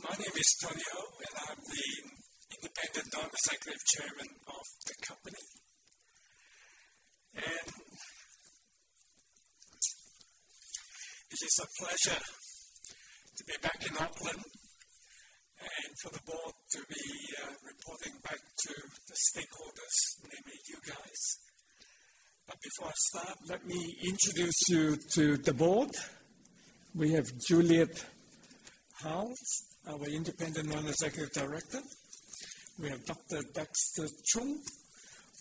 My name is Tony Ho, and I'm the Independent Non-Executive Chairman of the company. It's just a pleasure to be back in Auckland and for the board to be reporting back to the stakeholders, namely you guys. Before I start, let me introduce you to the board. We have Juliette Hull, our Independent Non-Executive Director. We have Dr. Dexter Cheung,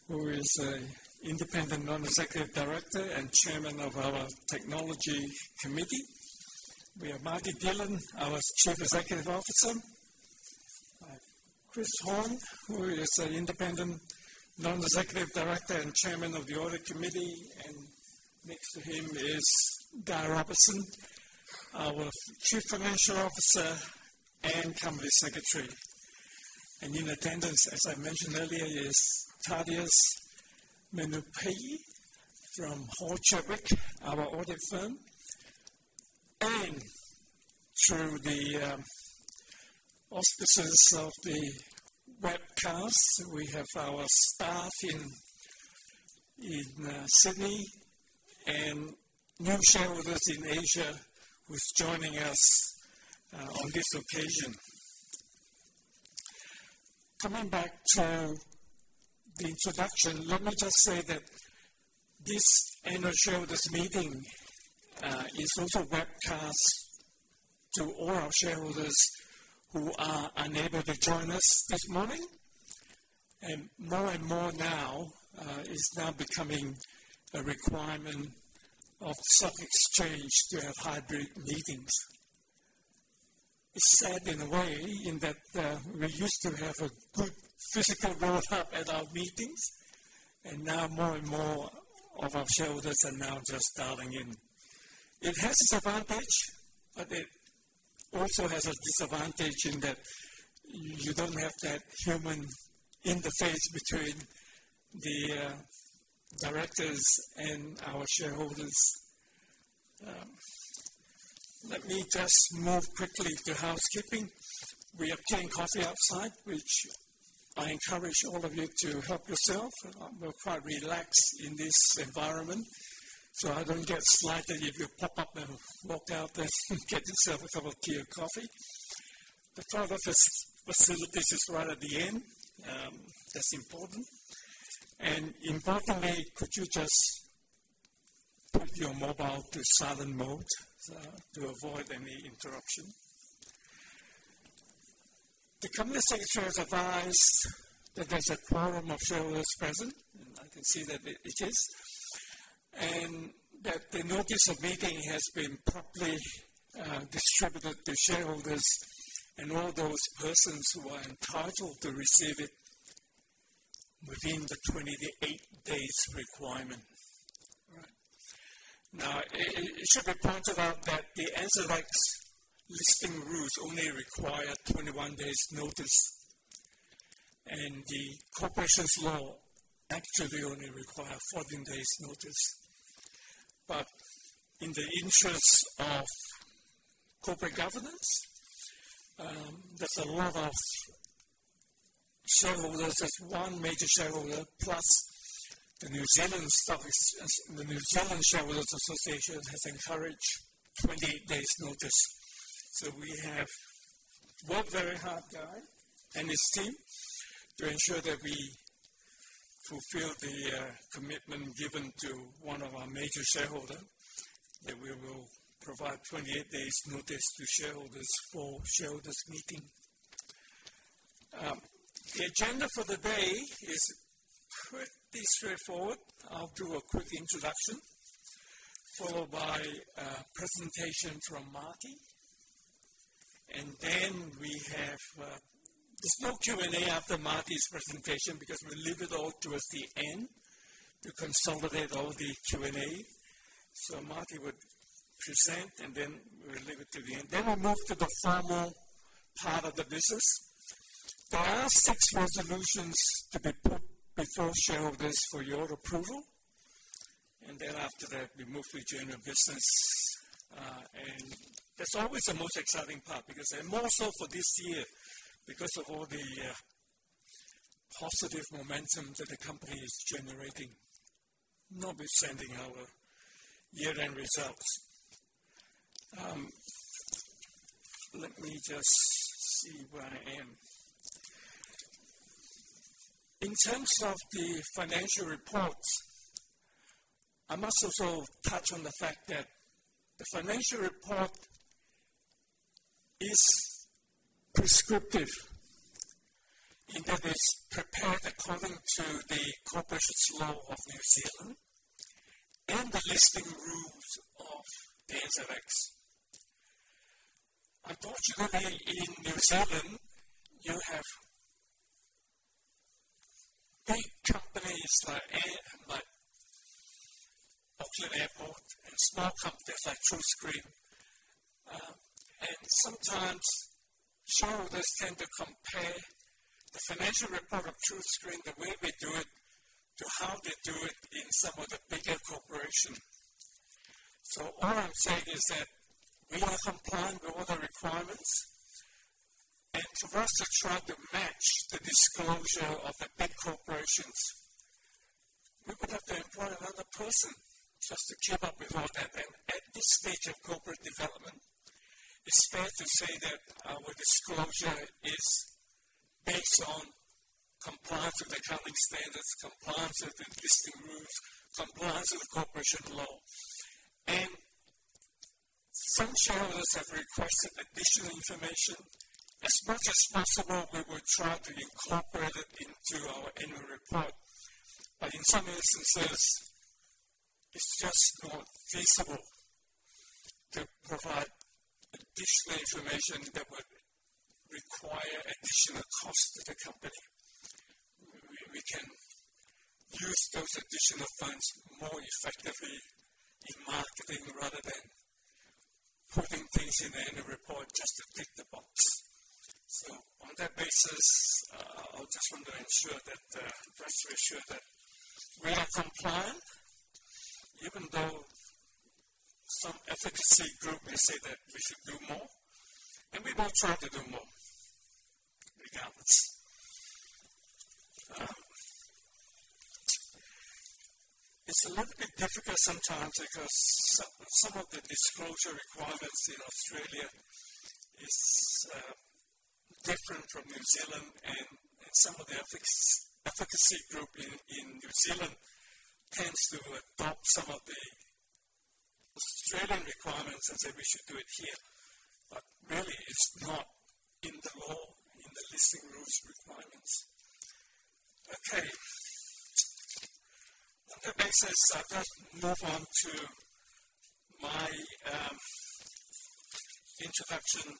who is an Independent Non-Executive Director and Chairman of our Technology Committee. We have Marty Dillon, our Chief Executive Officer. I have Chris Horn, who is an Independent Non-Executive Director and Chairman of the Audit Committee. Next to him is Guy Robertson, our Chief Financial Officer and Company Secretary. In attendance, as I mentioned earlier, is Tadius Manupeyi from Hall Chadwick, our audit firm. Through the auspices of the webcast, we have our staff in Sydney and new shareholders in Asia who are joining us on this occasion. Coming back to the introduction, let me just say that this annual shareholders meeting is also a webcast to all our shareholders who are unable to join us this morning. More and more now, it's now becoming a requirement of the stock exchange to have hybrid meetings. It's sad in a way in that we used to have a good physical roadmap at our meetings, and now more and more of our shareholders are now just dialing in. It has its advantage, but it also has a disadvantage in that you don't have that human interface between the directors and our shareholders. Let me just move quickly to housekeeping. We obtained coffee outside, which I encourage all of you to help yourself. We're quite relaxed in this environment. I don't get slighted if you pop up and walk out and get yourself a cup of tea or coffee. The toilet facility is right at the end. That's important. Importantly, could you just put your mobile to silent mode to avoid any interruption? The Company Secretary has advised that there's a quorum of shareholders present, and I can see that it is, and that the notice of meeting has been properly distributed to shareholders and all those persons who are entitled to receive it within the 28 days requirement. It should be pointed out that the NZX listing rules only require 21 days' notice, and the corporation's law actually only requires 14 days' notice. In the interests of corporate governance, there's a lot of shareholders. There's one major shareholder, plus the New Zealand Shareholders' Association has encouraged 28 days' notice. We have worked very hard, Guy and his team, to ensure that we fulfill the commitment given to one of our major shareholders, that we will provide 28 days' notice to shareholders for shareholders' meeting. The agenda for the day is pretty straightforward. I'll do a quick introduction followed by a presentation from Marty. There is no Q&A after Marty's presentation because we leave it all towards the end to consolidate all the Q&A. Marty would present, and we would leave it to the end. We move to the formal part of the business. There are six resolutions to be put before shareholders for your approval. After that, we move to general business. That's always the most exciting part, more so for this year, because of all the positive momentum that the company is generating, notwithstanding our year-end results. Let me just see where I am. In terms of the financial reports, I must also touch on the fact that the financial report is prescriptive in that it's prepared according to the corporation's law of New Zealand and the listing rules of the NZX. Unfortunately, in New Zealand, you have big companies like Auckland Airport and small companies like TruScreen. Sometimes shareholders tend to compare the financial report of TruScreen the way we do it to how they do it in some of the bigger corporations. All I'm saying is that we are compliant with all the requirements. For us to try to match the disclosure of the big corporations, we would have to employ another person just to keep up with all that. At this stage of corporate development, it's fair to say that our disclosure is based on compliance with accounting standards, compliance with the listing rules, compliance with the corporation law. Some shareholders have requested additional information. As much as possible, we would try to incorporate it into our annual report. In some instances, it's just not feasible to provide additional information that would require additional cost to the company. We can use those additional funds more effectively in marketing rather than putting things in the annual report just to tick the box. On that basis, I just want to ensure that the rest of you are sure that we are compliant, even though some advocacy group may say that we should do more. We will try to do more, regardless. It's a little bit difficult sometimes because some of the disclosure requirements in Australia are different from New Zealand, and some of the advocacy groups in New Zealand tend to adopt some of the Australian requirements and say we should do it here. However, it's not in the law, in the listing rules requirements. On that basis, I'll just move on to my introduction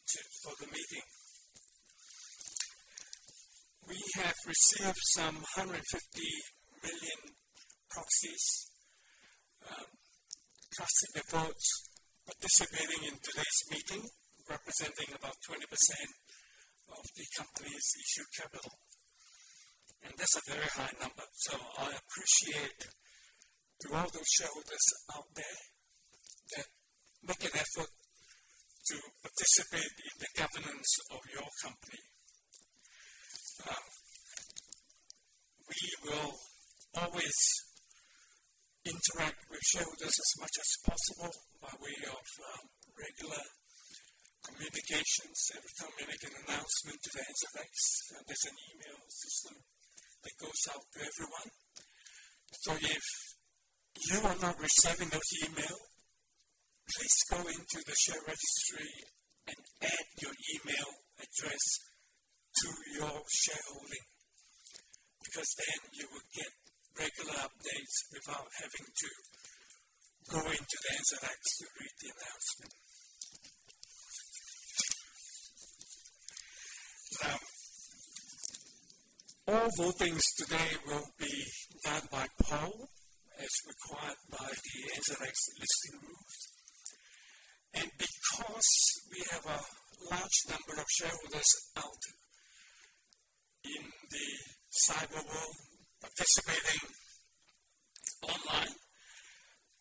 for the meeting. We have received some 150 million proxies casting their votes, participating in today's meeting, representing about 20% of the company's issued capital. That's a very high number. I appreciate all those shareholders out there that make an effort to participate in the governance of your company. We will always interact with shareholders as much as possible by way of regular communications. Every time we make an announcement to the NZX, there's an email system that goes out to everyone. If you are not receiving those emails, please go into the share registry and add your email address to your shareholding because then you will get regular updates without having to go into the NZX to read the announcement. All voting today will be done by poll as required by the NZX listing rules. Because we have a large number of shareholders out in the cyber world participating online,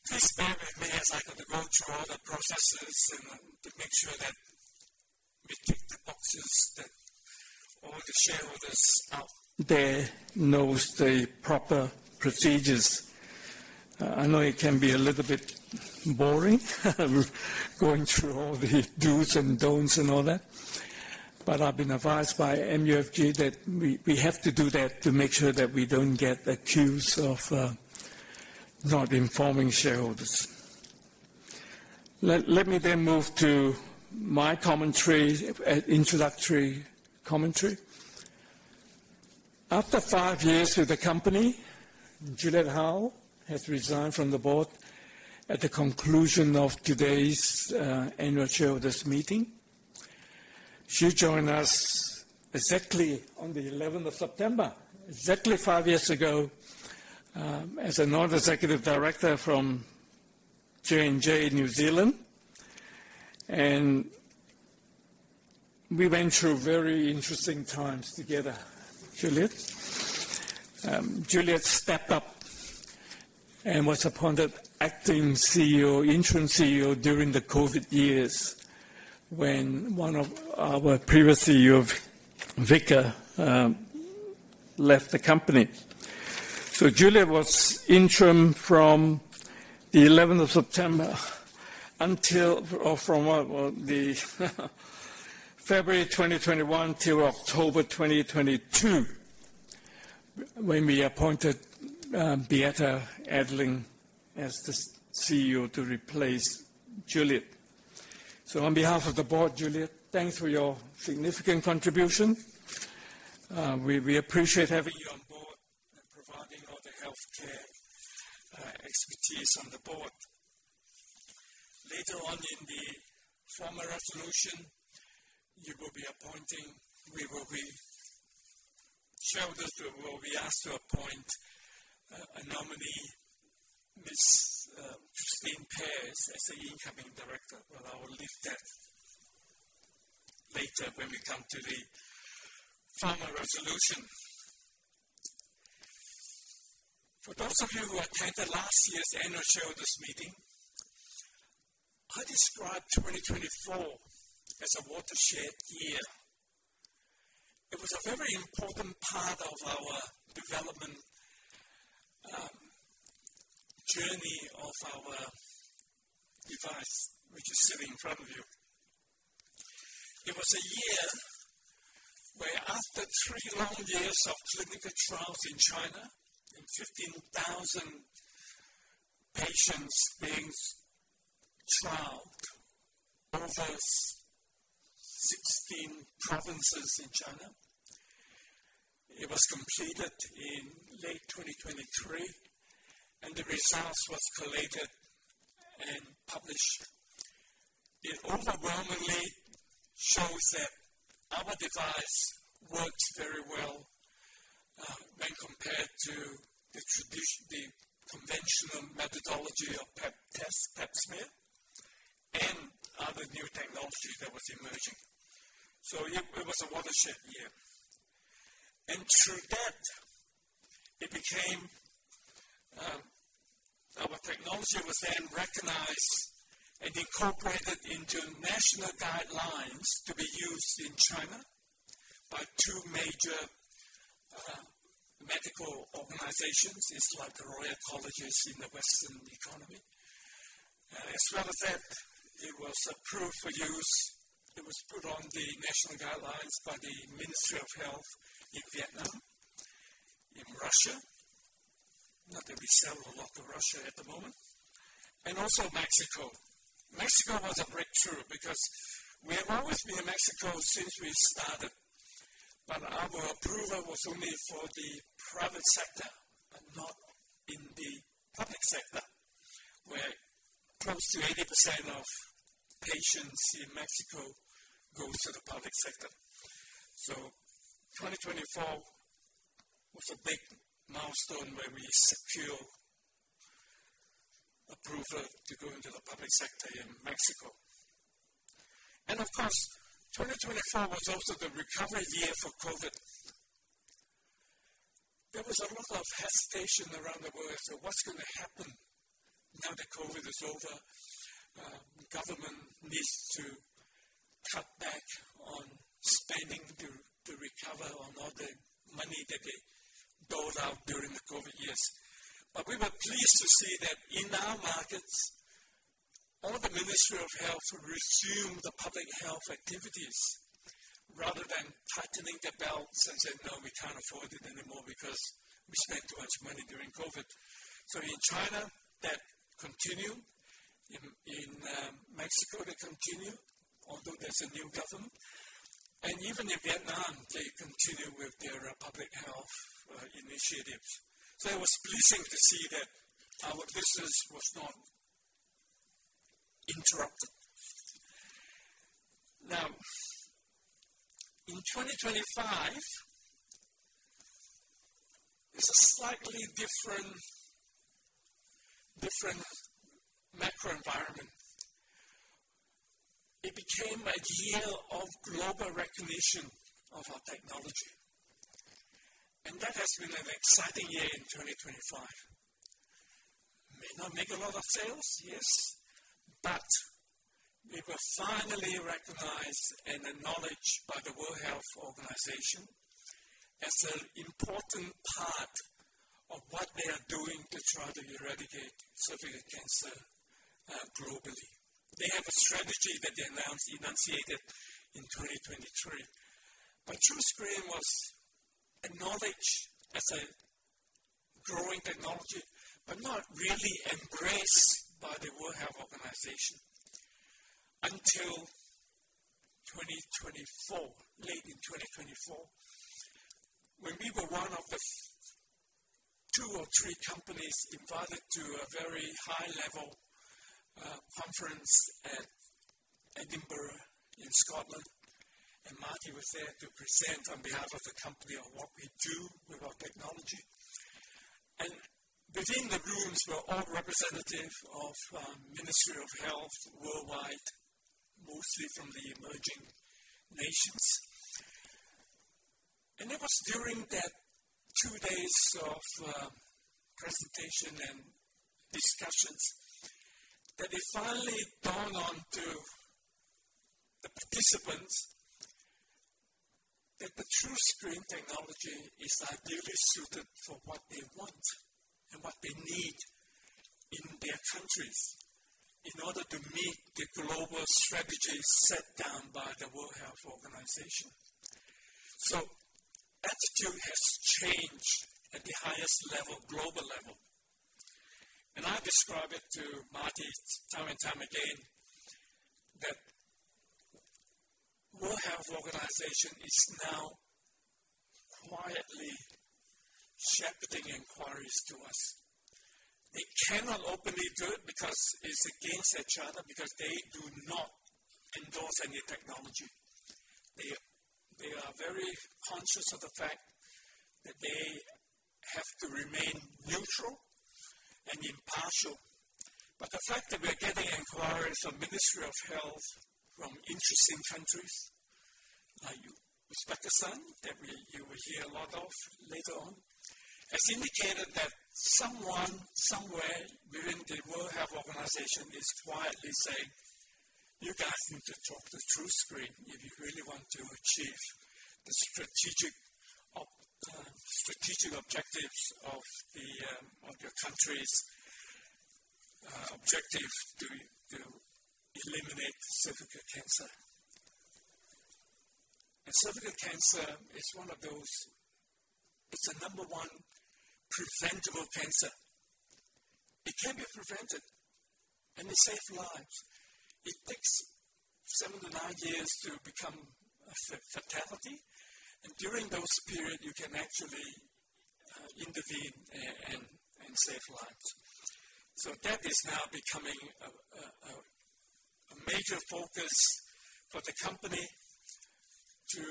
please bear with me as I go through all the processes and make sure that we tick the boxes so all the shareholders out there know the proper procedures. I know it can be a little bit boring going through all the do's and don'ts and all that. I've been advised by MUFG that we have to do that to make sure that we don't get accused of not informing shareholders. Let me then move to my introductory commentary. After five years with the company, Juliette Hull has resigned from the board at the conclusion of today's annual shareholders meeting. She joined us exactly on the 11th of September, exactly five years ago, as a Non-Executive Director from J&J New Zealand. We went through very interesting times together, Juliette. Juliette stepped up and was appointed Acting CEO, Interim CEO during the COVID years when one of our previous CEOs, Victor, left the company. Juliette was interim from the 11th of September or from February 2021 till October 2022 when we appointed Beata Edling as the CEO to replace Juliette. On behalf of the board, Juliette, thanks for your significant contribution. We appreciate having you on board and providing all the healthcare expertise on the board. Later on in the formal resolution, you will be appointing, we will be shareholders will be asked to appoint a nominee, Ms. Christine Pairs, as the incoming director. I will leave that later when we come to the formal resolution. For those of you who attended last year's annual shareholders meeting, I described 2024 as a watershed year. It was a very important part of our development journey of our device, which is sitting in front of you. It was a year where, after three long years of clinical trials in China and 15,000 patients being trialed over 16 provinces in China, it was completed in late 2023, and the results were collated and published. It overwhelmingly shows that our device works very well when compared to the conventional methodology of Pap test, Pap smear, and other new technology that was emerging. It was a watershed year. Through that, our technology was then recognized and incorporated into national screening guidelines to be used in China by two major medical organizations. It's like the Royal Colleges in the Western economy. As well as that, it was approved for use. It was put on the national screening guidelines by the Ministry of Health in Vietnam, in Russia, not that we sell a lot to Russia at the moment, and also Mexico. Mexico was a breakthrough because we have always been in Mexico since we started. Our approval was only for the private sector, but not in the public sector, where close to 80% of patients in Mexico go to the public sector. In 2024, it was a big milestone where we secure approval to go into the public sector in Mexico. 2024 was also the recovery year for COVID. There was a lot of hesitation around the world as to what's going to happen now that COVID is over. Government needs to cut back on spending to recover on all the money that they dole out during the COVID years. We were pleased to see that in our markets, all the Ministry of Health resumed the public health activities rather than tightening their belts and saying, "No, we can't afford it anymore because we spent too much money during COVID." In China, that continued. In Mexico, they continued, although there's a new government. Even in Vietnam, they continue with their public health initiatives. It was pleasing to see that our business was not interrupted. Now, in 2025, it's a slightly different, different macro environment. It became a year of global recognition of our technology. That has been an exciting year in 2025. May not make a lot of sales, yes, but we were finally recognized and acknowledged by the World Health Organization as an important part of what they are doing to try to eradicate cervical cancer globally. They have a strategy that they announced, enunciated in 2023. TruScreen was acknowledged as a growing technology, but not really embraced by the World Health Organization until late in 2024, when we were one of the two or three companies invited to a very high-level conference at Edinburgh in Scotland. Marty was there to present on behalf of the company on what we do with our technology. Within the rooms were all representatives of the Ministry of Health worldwide, mostly from the emerging nations. During that two days of presentation and discussions, it finally dawned on the participants that the TruScreen technology is ideally suited for what they want and what they need in their countries in order to meet the global strategies set down by the World Health Organization. Attitude has changed at the highest level, global level. I describe it to Marty time and time again that the World Health Organization is now quietly shepherding inquiries to us. They cannot openly do it because it's against each other because they do not endorse any technology. They are very conscious of the fact that they have to remain neutral and impartial. The fact that we are getting inquiries from the Ministry of Health from interesting countries like Uzbekistan, that you will hear a lot of later on, has indicated that someone somewhere within the World Health Organization is quietly saying, "You guys need to talk to TruScreen if you really want to achieve the strategic objectives of your country's objective to eliminate cervical cancer." Cervical cancer is one of those, it's the number one preventable cancer. It can be prevented and it saves lives. It takes seven to nine years to become a fatality. During those periods, you can actually intervene and save lives. That is now becoming a major focus for the company to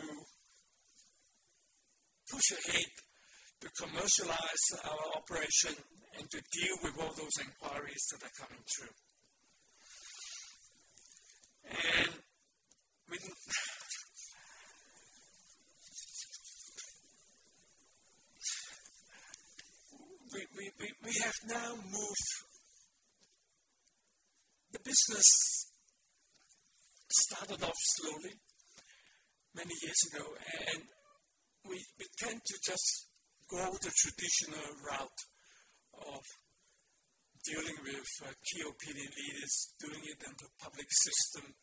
push ahead, to commercialize our operation, and to deal with all those inquiries that are coming through. We have now moved, the business started off slowly many years ago, and we tend to just go the traditional route of dealing with key opinion leaders, doing it in the public system,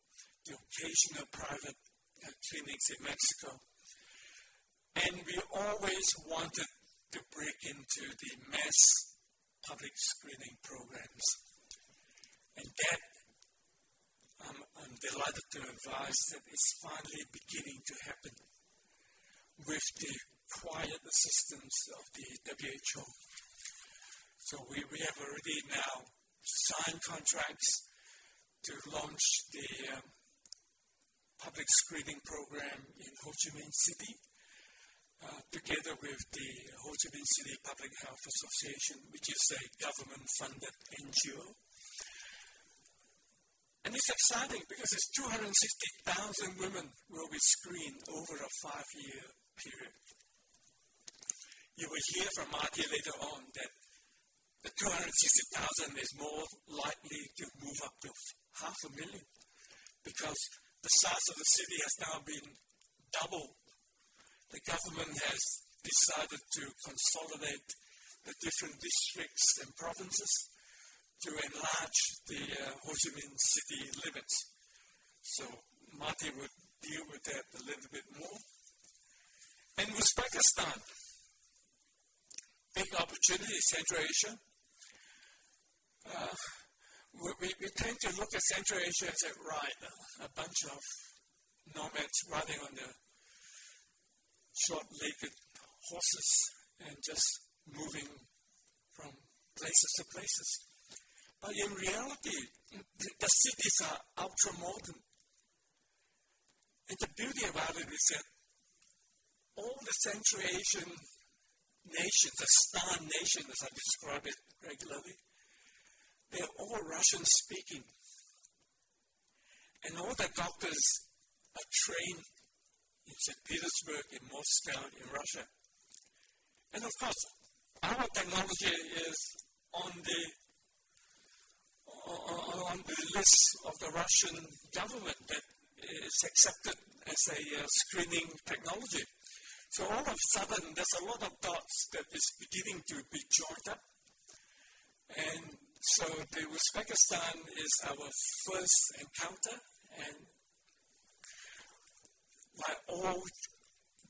the occasional private clinics in Mexico. We always wanted to break into the mass public screening programs. I am delighted to advise that it's finally beginning to happen with the quiet assistance of the World Health Organization. We have already now signed contracts to launch the public screening program in Ho Chi Minh City together with the Ho Chi Minh City Public Health Association, which is a government-funded NGO. It's exciting because it's 260,000 women who will be screened over a five-year period. You will hear from Marty later on that the 260,000 is more likely to move up to half a million because the size of the city has now been doubled. The government has decided to consolidate the different districts and provinces to enlarge the Ho Chi Minh City limits. Marty would deal with that a little bit more. Uzbekistan, big opportunity, Central Asia. We tend to look at Central Asia and say, "Right, a bunch of nomads riding on their short-legged horses and just moving from places to places." In reality, the cities are ultra-modern. The beauty about it is that all the Central Asian nations, the STAN nations as I describe it regularly, they're all Russian speaking. All the doctors are trained in Saint Petersburg, in Moscow, in Russia. Our technology is on the list of the Russian government that is accepted as a screening technology. All of a sudden, there's a lot of dots that are beginning to be joined up. Uzbekistan is our first encounter. Like all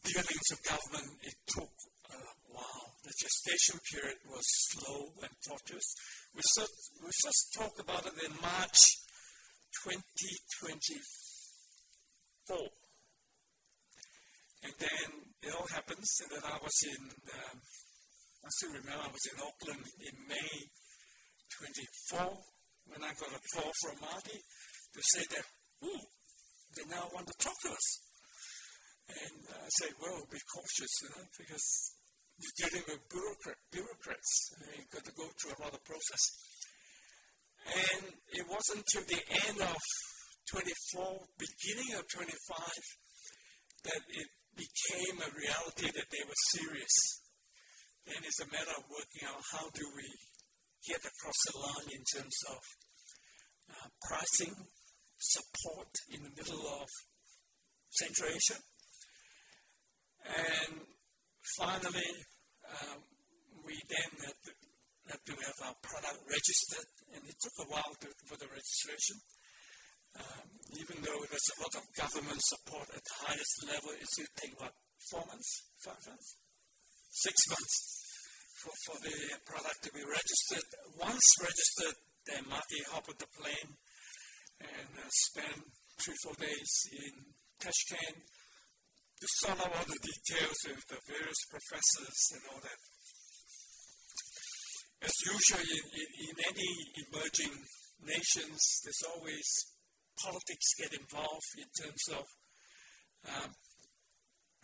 dealings with government, it took a while. The gestation period was slow and tortuous. We first talked about it in March 2024. It all happens. I still remember I was in Auckland in May 2024 when I got a call from Marty to say that, "Ooh, they now want to talk to us." I said, "Be cautious because you're dealing with bureaucrats. You've got to go through a lot of process." It wasn't till the end of 2024, beginning of 2025, that it became a reality that they were serious. It's a matter of working out how do we get across the line in terms of pricing support in the middle of Central Asia. Finally, we then had to have our product registered. It took a while for the registration. Even though there's a lot of government support at the highest level, it should take what, four months, five months, six months for the product to be registered. Once registered, then Marty hopped on the plane and spent three, four days in Tashkent to sort out all the details with the various professors and all that. As usual, in any emerging markets, there's always politics that get involved in terms of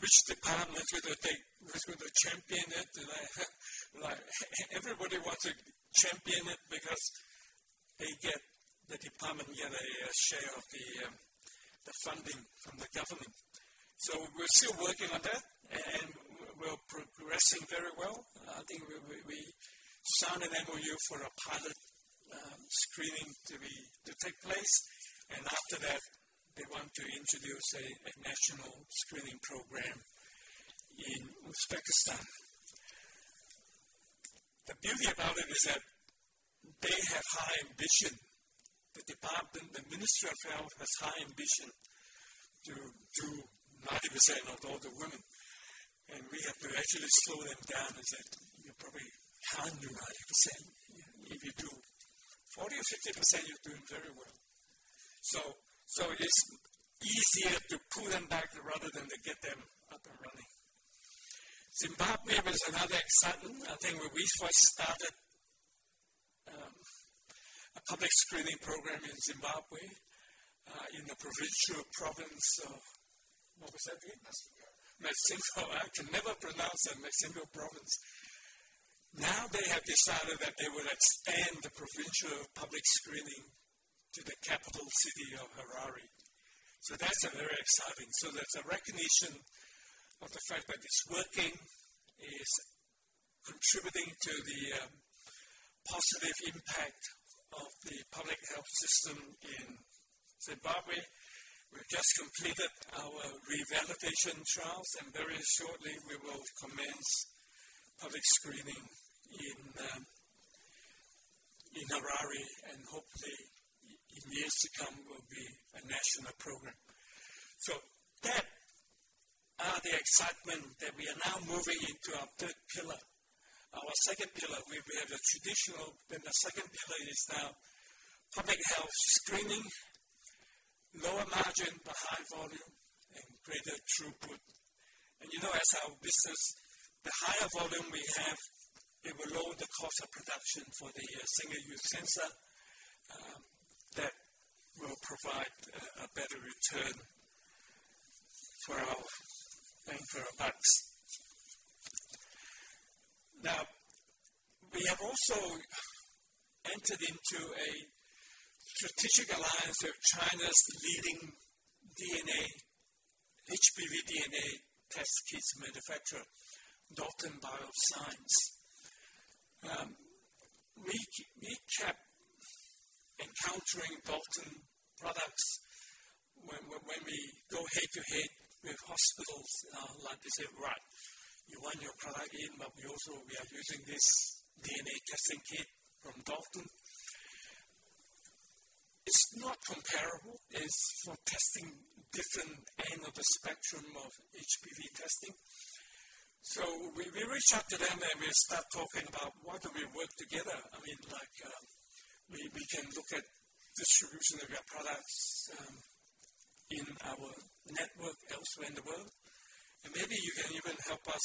which department is going to take who's going to champion it. Everybody wants to champion it because they get the department to get a share of the funding from the government. We're still working on that, and we're progressing very well. I think we signed an MOU for a pilot screening to take place. After that, they want to introduce a national screening program in Uzbekistan. The beauty about it is that they have high ambition. The department, the Ministry of Health has high ambition to do 90% of all the women. We have to actually slow them down and say, "You probably can't do 90%. If you do 40 or 50%, you're doing very well." It's easier to pull them back rather than to get them up and running. Zimbabwe was another excitement. I think when we first started a public screening program in Zimbabwe in the provincial province of what was that again? Masvingo. Masvingo. I can never pronounce that Masvingo province. Now they have decided that they would extend the provincial public screening to the capital city of Harare. That's very exciting. There's a recognition of the fact that it's working, is contributing to the positive impact of the public health system in Zimbabwe. We've just completed our revalidation trials, and very shortly, we will commence public screening in Harare. Hopefully, in years to come, it will be a national program. That is the excitement that we are now moving into our third pillar. Our second pillar, we have the traditional, then the second pillar is now public health screening, lower margin but high volume and greater throughput. You know, as our business, the higher volume we have, it will lower the cost of production for the single-use sensor that will provide a better return for our bank for our bucks. We have also entered into a strategic alliance with China's leading HPV DNA test kits manufacturer, Dalton BioScience. We kept encountering Dalton products when we go head-to-head with hospitals like they say, "Right, you want your product in, but we also, we are using this DNA testing kit from Dalton." It's not comparable. It's for testing different ends of the spectrum of HPV testing. We reach out to them and we start talking about why do we work together. I mean, like we can look at distribution of your products in our network elsewhere in the world. Maybe you can even help us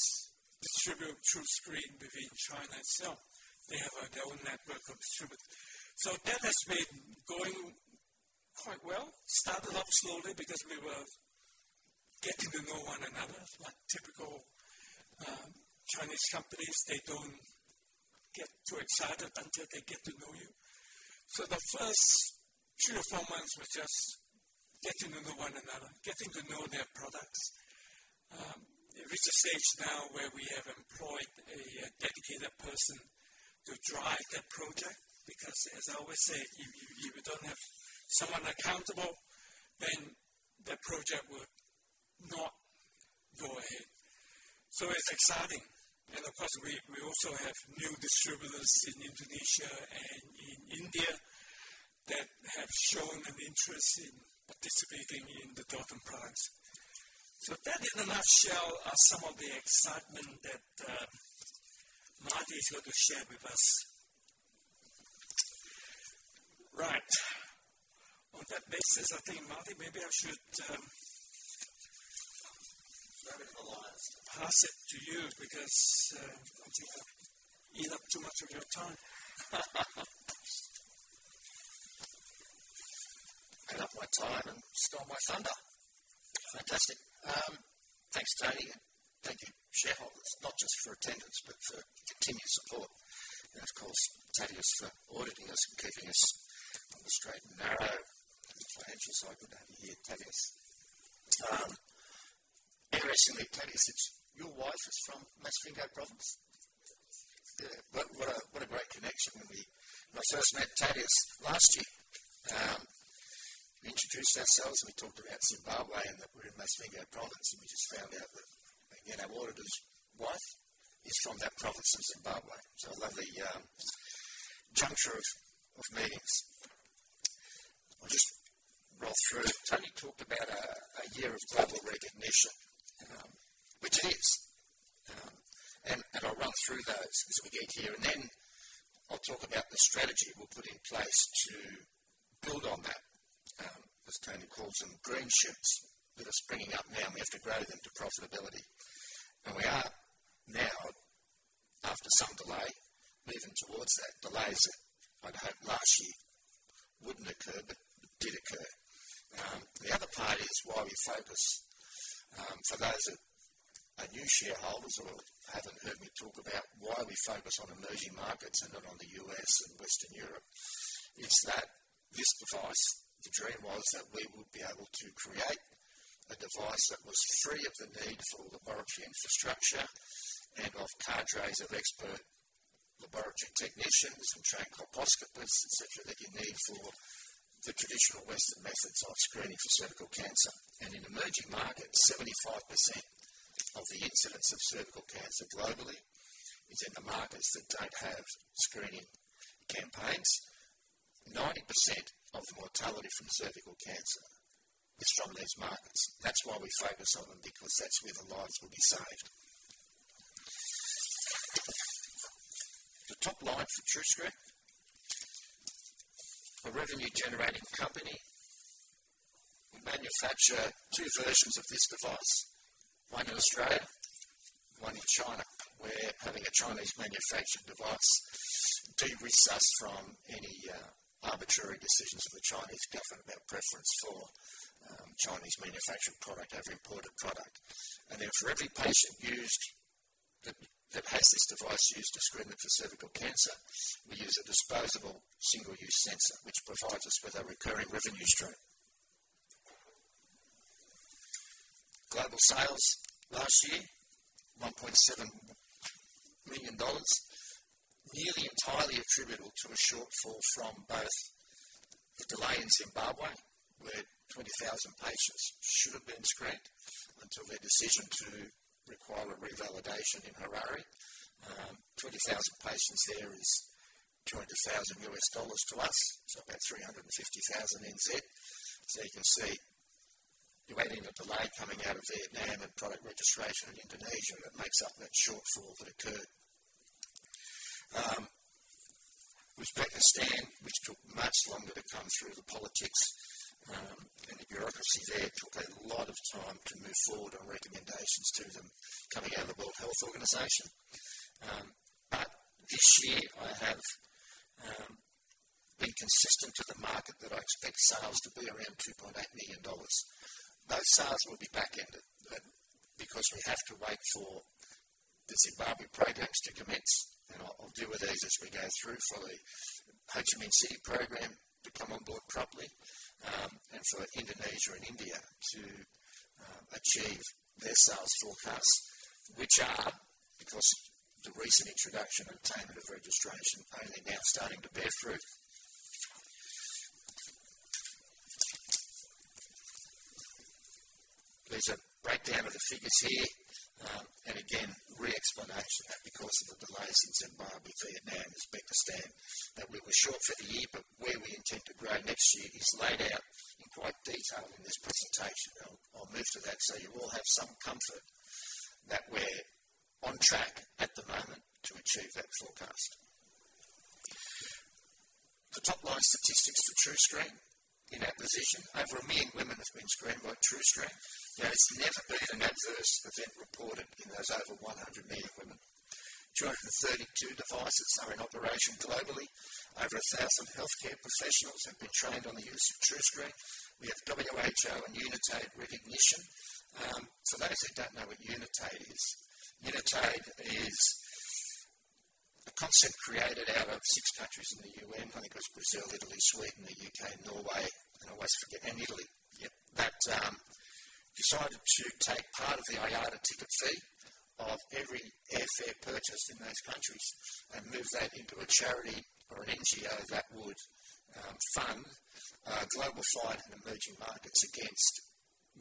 distribute TruScreen within China itself. They have their own network of distributors. That has been going quite well. Started off slowly because we were getting to know one another. Like typical Chinese companies, they don't get too excited until they get to know you. The first three or four months was just getting to know one another, getting to know their products. It reached a stage now where we have employed a dedicated person to drive that project because, as I always say, if you don't have someone accountable, then that project will not go ahead. It's exciting. Of course, we also have new distributors in Indonesia and in India that have shown an interest in participating in the Dalton products. That, in a nutshell, are some of the excitement that Marty is going to share with us. Right. On that basis, I think, Marty, maybe I should. Grab it at the line. Pass it to you because I think I eat up too much of your time. I had up my time and stole my thunder. Yeah, fantastic. Thanks, Tony. And thank you, shareholders, not just for attendance, but for continued support. Of course, Tadias, for auditing us and keeping us on the straight and narrow on the financial side. Good to have you here, Tadias. Interestingly, Thaddeus, your wife is from Masvingo Province. What a great connection. When we first met Thaddeus last year, we Tadias ourselves and we talked about Zimbabwe and that we're in Masvingo Province. We just found out that, again, our auditor's wife is from that province of Zimbabwe. A lovely juncture of meetings. I'll just roll through. Tony talked about a year of global recognition, which it is. I'll run through those as we get here. I'll talk about the strategy we'll put in place to build on that, as Tony calls them, green shoots that are springing up now. We have to grow them to profitability. We are now, after some delay, moving towards that. Delays that I'd hoped last year wouldn't occur but did occur. The other part is why we focus, for those that are new shareholders or haven't heard me talk about why we focus on emerging markets and not on the U.S. and Western Europe. It's that this device, the dream was that we would be able to create a device that was free of the need for laboratory infrastructure and of cadres of expert laboratory technicians and trained colposcopists, et cetera., that you need for the traditional Western methods of screening for cervical cancer. In emerging markets, 75% of the incidence of cervical cancer globally is in the markets that don't have screening campaigns. 90% of the mortality from cervical cancer is from these markets. That's why we focus on them because that's where the lives will be saved. The top line for TruScreen, a revenue-generating company. We manufacture two versions of this device, one in Australia, one in China. We're having a Chinese manufactured device de-risk us from any arbitrary decisions of the Chinese government about preference for Chinese manufactured product, every imported product. For every patient that has this device used to screen them for cervical cancer, we use a disposable single-use sensor, which provides us with a recurring revenue stream. Global sales last year, 1.7 million dollars, nearly entirely attributable to a shortfall from both the delay in Zimbabwe, where 20,000 patients should have been screened until their decision to require a revalidation in Harare. 20,000 patients there is $200,000 to us, so about 350,000 You can see you're waiting on a delay coming out of Vietnam and product registration in Indonesia, and it makes up that shortfall that occurred. Uzbekistan, which took much longer to come through the politics and the bureaucracy there, it took a lot of time to move forward on recommendations to them coming out of the World Health Organization. This year, I have been consistent to the market that I expect sales to be around 2.8 million dollars. Both sales will be back-ended because we have to wait for the Zimbabwe programs to commence. I'll deal with these as we go through for the Ho Chi Minh City program to come on board properly and for Indonesia and India to achieve their sales forecasts, which are, because of the recent introduction and attainment of registration, only now starting to bear fruit. There's a breakdown of the figures here. Again, re-explanation that because of the delays in Zimbabwe, Vietnam, Uzbekistan, that we were short for the year, but where we intend to grow next year is laid out in quite detail in this presentation. I'll move to that so you all have some comfort that we're on track at the moment to achieve that forecast. The top line statistics for TruScreen in our position, over 1 million women have been screened by TruScreen. There has never been an adverse event reported in those over 1 million women. 232 devices are in operation globally. Over 1,000 healthcare professionals have been trained on the use of TruScreen. We have World Health Organization and Unitaid recognition. For those who don't know what Unitaid is, Unitaid is a concept created out of six countries in the UN. I think it was Brazil, Italy, Sweden, the UK, Norway, and I always forget, and Italy. Yep. That decided to take part of the IATA ticket fee of every airfare purchased in those countries and move that into a charity or an NGO that would fund a global fight in emerging markets against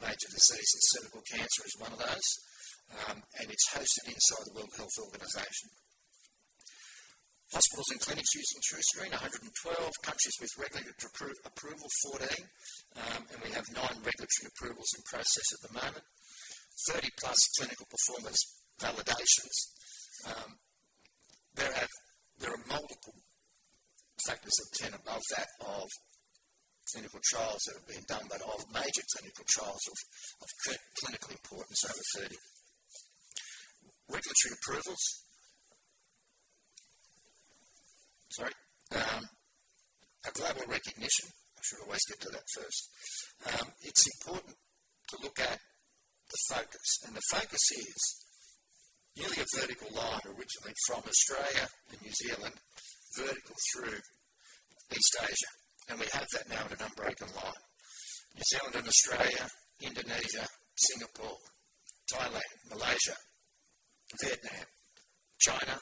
major diseases. Cervical cancer is one of those. It's hosted inside the World Health Organization. Hospitals and clinics using TruScreen, 112 countries with regulatory approval, 14. We have nine regulatory approvals in process at the moment. 30+ clinical performance validations. There are multiple factors of 10 above that of clinical trials that have been done, but of major clinical trials of clinical importance over 30. Regulatory approvals, sorry. Our global recognition, I should always get to that first. It's important to look at the focus. The focus is nearly a vertical line originally from Australia and New Zealand, vertical through East Asia. We have that now in an unbroken line. New Zealand and Australia, Indonesia, Singapore, Thailand, Malaysia, Vietnam, China,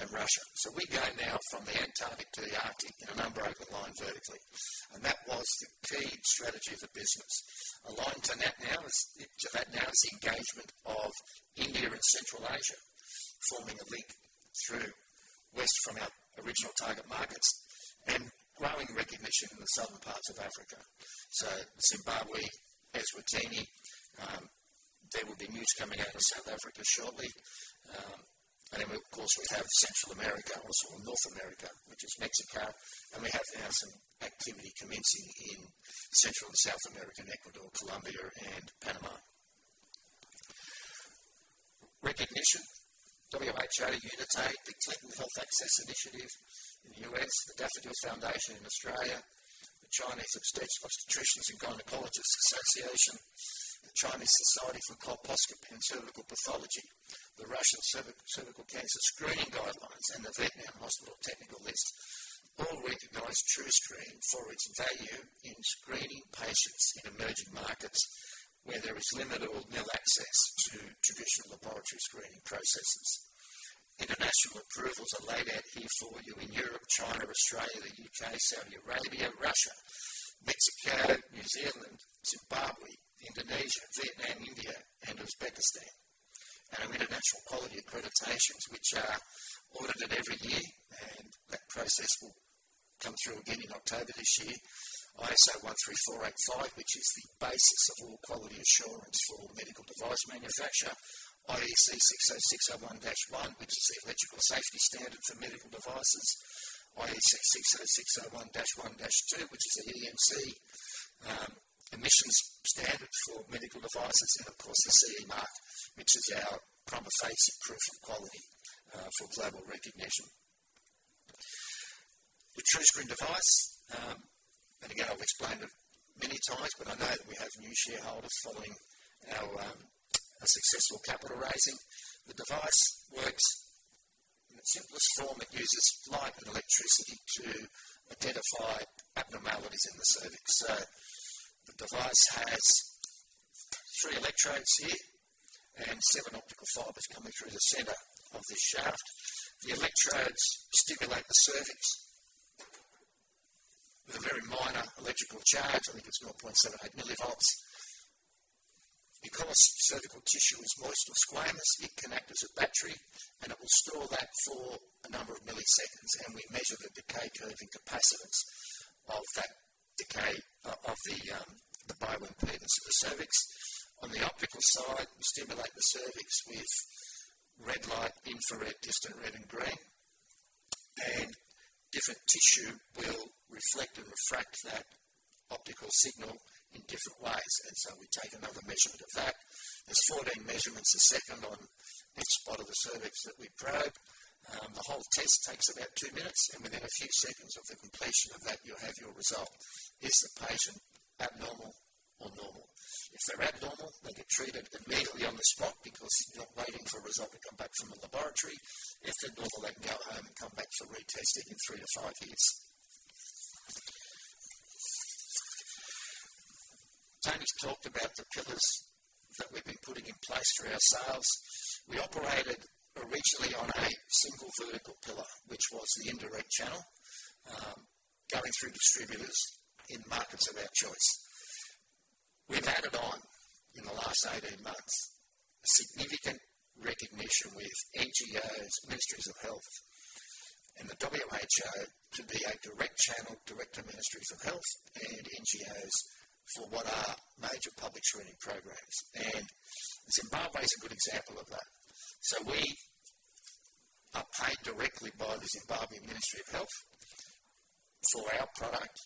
and Russia. We go now from the Antarctic to the Arctic in an unbroken line vertically. That was the key strategy of the business. Aligned to that now is the engagement of India and Central Asia, forming a link through west from our original target markets and growing recognition in the southern parts of Africa. Zimbabwe, Eswatini, there will be news coming out of South Africa shortly. Of course, we have Central America, also North America, which is Mexico. We have now some activity commencing in Central and South America, Ecuador, Colombia, and Panama. Recognition, World Health Organization, Unitaid, the Clinton Health Access Initiative in the U.S., the Daffodil Foundation in Australia, the Chinese Obstetricians and Gynecologists Association, the Chinese Society for Colposcopy and Cervical Pathology, the Russian Cervical Cancer Screening Guidelines, and the Vietnam Hospital Technical List all recognize TruScreen for its value in screening patients in emerging markets where there is limited or nil access to traditional laboratory screening processes. International approvals are laid out here for you in Europe, China, Australia, the UK, Saudi Arabia, Russia, Mexico, New Zealand, Zimbabwe, Indonesia, Vietnam, India, and Uzbekistan. Our international quality accreditations, which are audited every year, and that process will come through again in October this year. ISO 13485, which is the basis of all quality assurance for medical device manufacture, IEC 60601-1, which is the electrical safety standard for medical devices, IEC 60601-1-2, which is the EMC emissions standard for medical devices, and of course, the CE mark, which is our prima facie proof of quality for global recognition. The TruScreen device, and again, I've explained it many times, but I know that we have new shareholders following our successful capital raising. The device works in its simplest form. It uses light and electricity to identify abnormalities in the cervix. The device has three electrodes here and seven optical fibers coming through the center of this shaft. The electrodes stimulate the cervix with a very minor electrical charge. I think it's 0.78 mV. Because cervical tissue is moist or squamous, it can act as a battery, and it will store that for a number of milliseconds. We measure the decay curve and capacitance of that decay of the bioimpedance of the cervix. On the optical side, we stimulate the cervix with red light, infrared, distant red, and green. Different tissue will reflect and refract that optical signal in different ways, so we take another measurement of that. There are 14 measurements a second on each spot of the cervix that we probe. The whole test takes about two minutes, and within a few seconds of the completion of that, you'll have your result. Is the patient abnormal or normal? If they're abnormal, they get treated immediately on the spot because they're not waiting for a result to come back from a laboratory. If they're normal, they can go home and come back for retesting in three to five years. Tony's talked about the pillars that we've been putting in place for our sales. We operated originally on a single vertical pillar, which was the indirect channel going through distributors in markets of our choice. We've added on in the last 18 months a significant recognition with NGOs, Ministries of Health, and the WHO to be a direct channel direct to Ministries of Health and NGOs for what are major public screening programs. Zimbabwe is a good example of that. We are paid directly by the Zimbabwe Ministry of Health for our product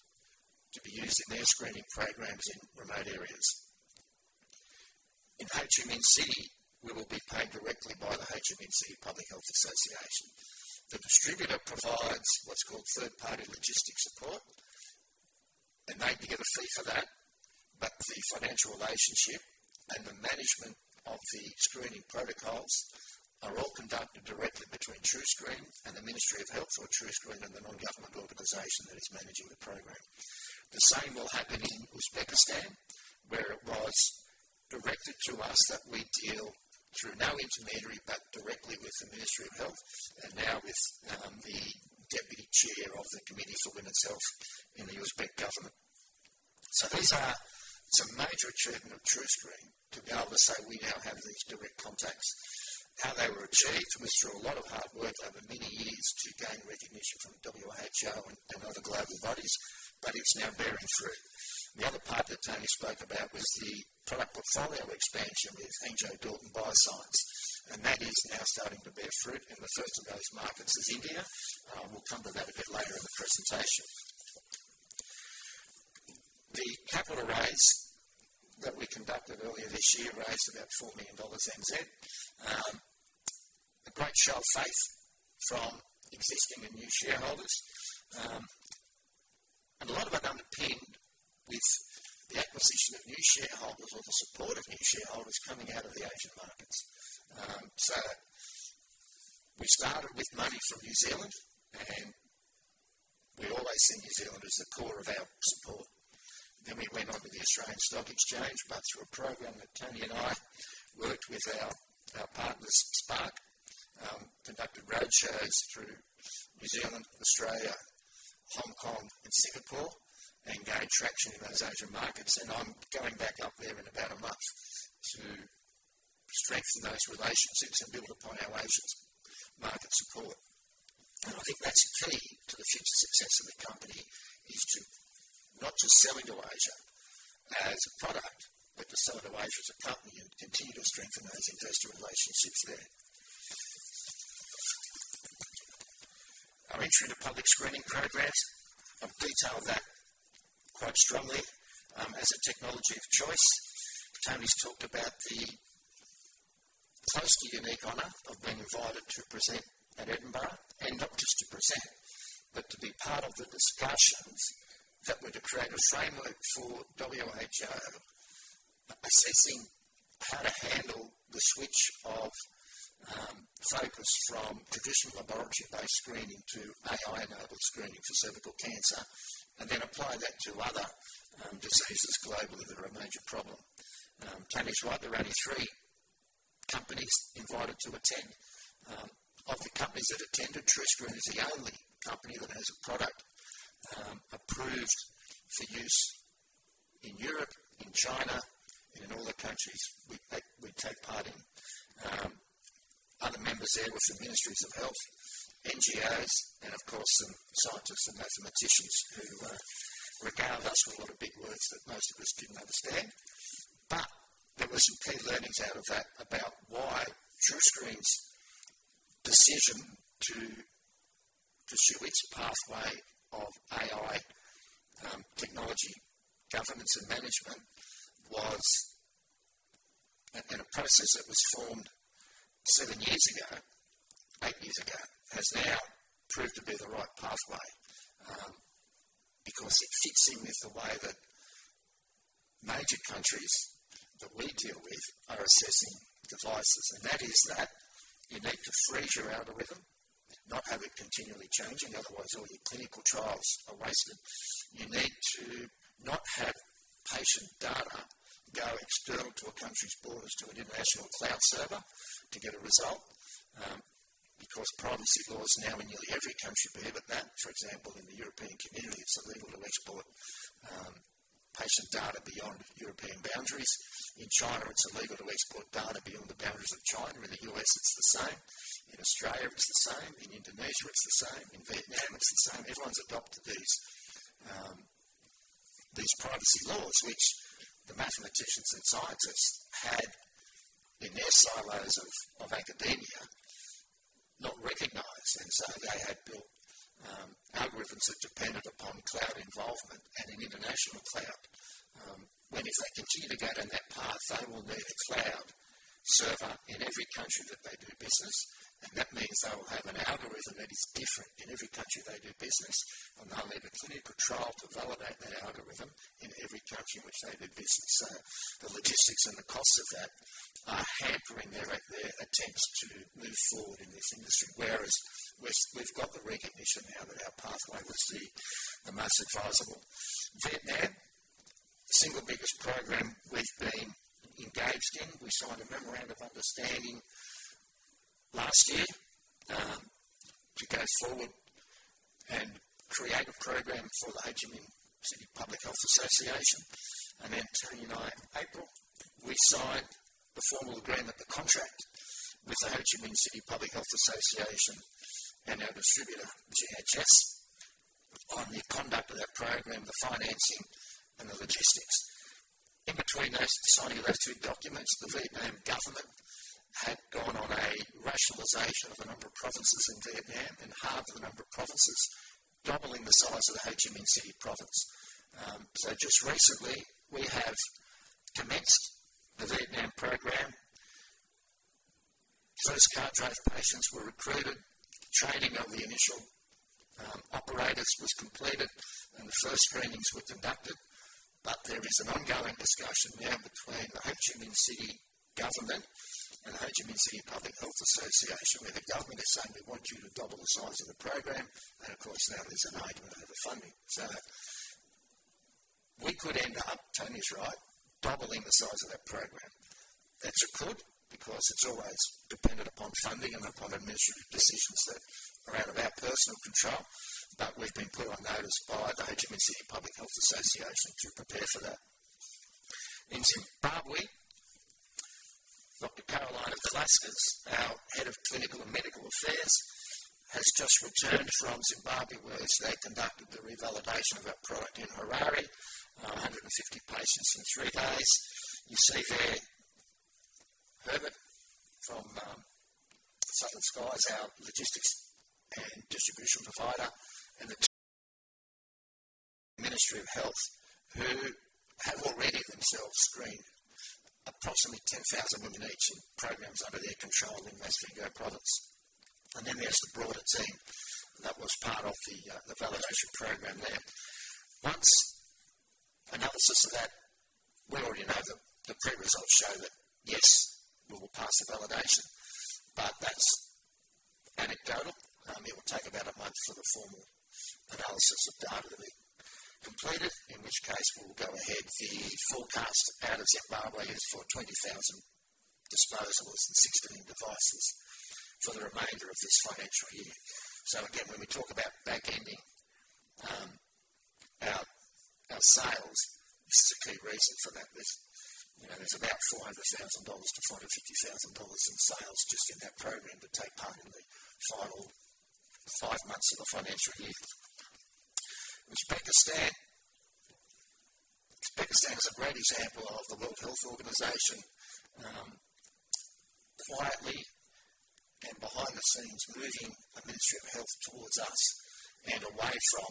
to be used in their screening programs in remote areas. In Ho Chi Minh City, we will be paid directly by the Ho Chi Minh City Public Health Association. The distributor provides what's called third-party logistics support, and they get a fee for that. The financial relationship and the management of the screening protocols are all conducted directly between TruScreen and the Ministry of Health, or TruScreen and the non-government organization that is managing the program. The same will happen in Uzbekistan, where it was directed to us that we deal through no intermediary but directly with the Ministry of Health and now with the Deputy Chair of the Committee for Women's Health in the Uzbek government. These are some major achievements of TruScreen to be able to say we now have these direct contacts. How they were achieved was through a lot of hard work over many years to gain recognition from the World Health Organization and other global bodies, but it's now bearing fruit. The other part that Tony spoke about was the product portfolio expansion with Dalton BioScience. That is now starting to bear fruit. The first of those markets is India. I will come to that a bit later in the presentation. The capital raise that we conducted earlier this year raised about 4 million NZ dollars. A great show of faith from existing and new shareholders. A lot of it underpinned with the acquisition of new shareholders or the support of new shareholders coming out of the Asian markets. We started with money from New Zealand, and we always see New Zealand as the core of our support. We went on to the Australian Stock Exchange, but through a program that Tony and I worked with our partners, Spark Plus Private Limited, conducted roadshows through New Zealand, Australia, Hong Kong, and Singapore, and gained traction in those Asian markets. I'm going back up there in about a month to strengthen those relationships and build upon our Asian market support. I think that's a key to the future success of the company, to not just sell into Asia as a product, but to sell into Asia as a company and continue to strengthen those investor relationships there. Our entry into public screening programs, I've detailed that quite strongly as a technology of choice. Tony's talked about the close to unique honor of being invited to present at Edinburgh, and not just to present, but to be part of the discussions that were to create a framework for the World Health Organization assessing how to handle the switch of focus from traditional laboratory-based screening to AI-enabled screening for cervical cancer, and then apply that to other diseases globally that are a major problem. Tony's right. There are only three companies invited to attend. Of the companies that attended, TruScreen Group Limited is the only company that has a product approved for use in Europe, in China, and in all the countries we take part in. Other members there were from Ministries of Health, NGOs, and of course, some scientists and mathematicians who regaled us with a lot of big words that most of us didn't understand. There were some key learnings out of that about why TruScreen's decision to pursue its pathway of AI technology governance and management was a process that was formed seven years ago, eight years ago, has now proved to be the right pathway because it fits in with the way that major countries that we deal with are assessing devices. That is that you need to freeze your algorithm, not have it continually changing. Otherwise, all your clinical trials are wasted. You need to not have patient data go external to a country's borders to an international cloud server to get a result because privacy laws now in nearly every country prohibit that. For example, in the European community, it's illegal to export patient data beyond European boundaries. In China, it's illegal to export data beyond the boundaries of China. In the U.S., it's the same. In Australia, it's the same. In Indonesia, it's the same. In Vietnam, it's the same. Everyone's adopted these privacy laws, which the mathematicians and scientists had in their silos of academia not recognized. They had built algorithms that depended upon cloud involvement and an international cloud. If they continue to go down that path, they will need a cloud server in every country that they do business. That means they will have an algorithm that is different in every country they do business. They'll need a clinical trial to validate that algorithm in every country in which they do business. The logistics and the costs of that are hampering their attempts to move forward in this industry, whereas we've got the recognition now that our pathway was the most advisable. Vietnam, the single biggest program we've been engaged in. We signed a memorandum of understanding last year to go forward and create a program for the Ho Chi Minh City Public Health Association. Tony and I, in April, we signed the formal agreement, the contract with the Ho Chi Minh City Public Health Association and our distributor, GHS, on the conduct of that program, the financing, and the logistics. In between the signing of those two documents, the Vietnam government had gone on a rationalization of a number of provinces in Vietnam and halved the number of provinces, doubling the size of the Ho Chi Minh City province. Just recently, we have commenced the Vietnam program. First car-drive patients were recruited. Training of the initial operators was completed, and the first screenings were conducted. There is an ongoing discussion now between the Ho Chi Minh City government and the Ho Chi Minh City Public Health Association, where the government is saying, "We want you to double the size of the program." Of course, now there's an argument over funding. We could end up, Tony's right, doubling the size of that program. That's a could because it's always dependent upon funding and upon administrative decisions that are out of our personal control. We've been put on notice by the Ho Chi Minh City Public Health Association to prepare for that. In Zimbabwe, Dr. Carolina Velasquez, our Head of Clinical and Medical Affairs, has just returned from Zimbabwe, where they conducted the revalidation of our product in Harare, 150 patients in three days. You see there, Herbert from Southern Skies, our logistics and distribution provider, and the Ministry of Health, who have already themselves screened approximately 10,000 women each in programs under their control in Masvingo Province. There's the broader team that was part of the validation program there. Once analysis of that, we already know that the pre-results show that, yes, we will pass the validation, but that's anecdotal. It will take about a month for the formal analysis of data to be completed, in which case we will go ahead. The forecast out of Zimbabwe is for 20,000 disposables and 16 devices for the remainder of this financial year. When we talk about back-ending our sales, this is a key reason for that. There's about 400,000-450,000 dollars in sales just in that program to take part in the final five months of the financial year. Uzbekistan is a great example of the World Health Organization quietly and behind the scenes moving a Ministry of Health towards us and away from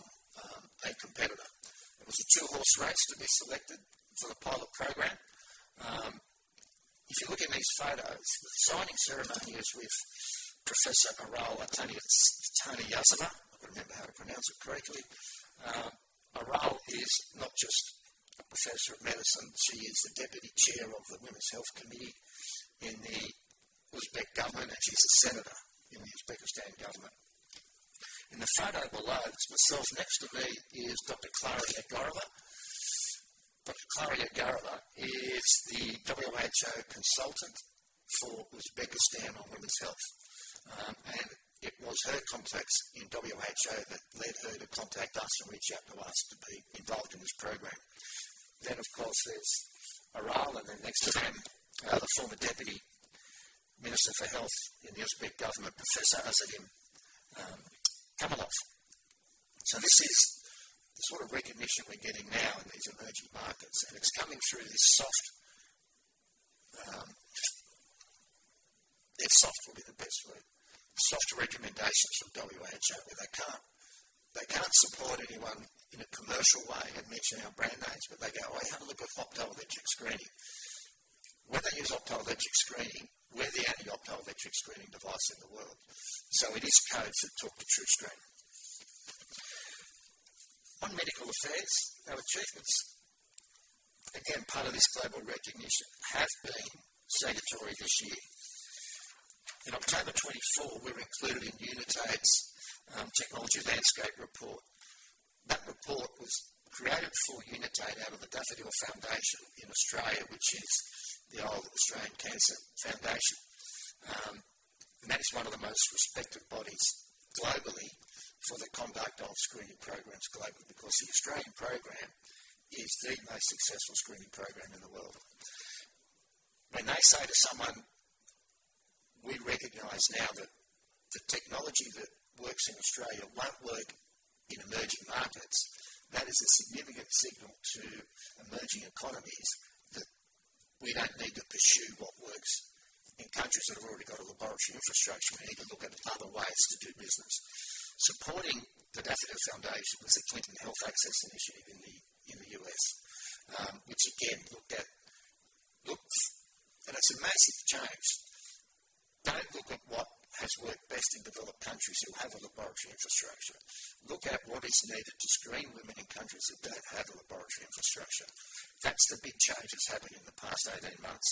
a competitor. It was a two-horse race to be selected for the pilot program. If you look in these photos, the signing ceremony is with Professor Aral Atoniyazova. I've got to remember how to pronounce it correctly. Aral is not just a Professor of Medicine. She is the Deputy Chair of the Women's Health Committee in the Uzbek government, and she's a senator in the Uzbekistan government. In the photo below, this myself next to me is Dr. Klara Yagareva. Dr. Klara Yagareva is the WHO consultant for Uzbekistan on women's health. It was her contacts in WHO that led her to contact us and reach out to us to be involved in this program. Of course, there's Aral, and next to them, the former Deputy Minister for Health in the Uzbek government, Professor Azadim Kamelov. This is the sort of recognition we're getting now in these emerging markets. It's coming through this soft, yeah, soft would be the best word, soft recommendations from the World Health Organization, where they can't support anyone in a commercial way and mention our brand names, but they go, "Oh, you have a look at Optel Electric Screening." When they use Optel Electric Screening, we're the only Optel Electric Screening device in the world. It is code for talk to TruScreen. On medical affairs, our achievements, again, part of this global recognition, have been statutory this year. In October 2024, we were included in Uniaid's technology landscape report. That report was created for Unitaid out of the Daffodil Foundation in Australia, which is the old Australian Cancer Foundation. That is one of the most respected bodies globally for the conduct of screening programs globally because the Australian program is the most successful screening program in the world. When they say to someone, "We recognize now that the technology that works in Australia won't work in emerging markets," that is a significant signal to emerging economies that we don't need to pursue what works in countries that have already got a laboratory infrastructure. We need to look at other ways to do business. Supporting the Daffodil Foundation was the Clinton Health Access Initiative in the U.S., which again looked at, looks, and it's a massive change. Don't look at what has worked best in developed countries who have a laboratory infrastructure. Look at what is needed to screen women in countries that don't have a laboratory infrastructure. That's the big change that's happened in the past 18 months.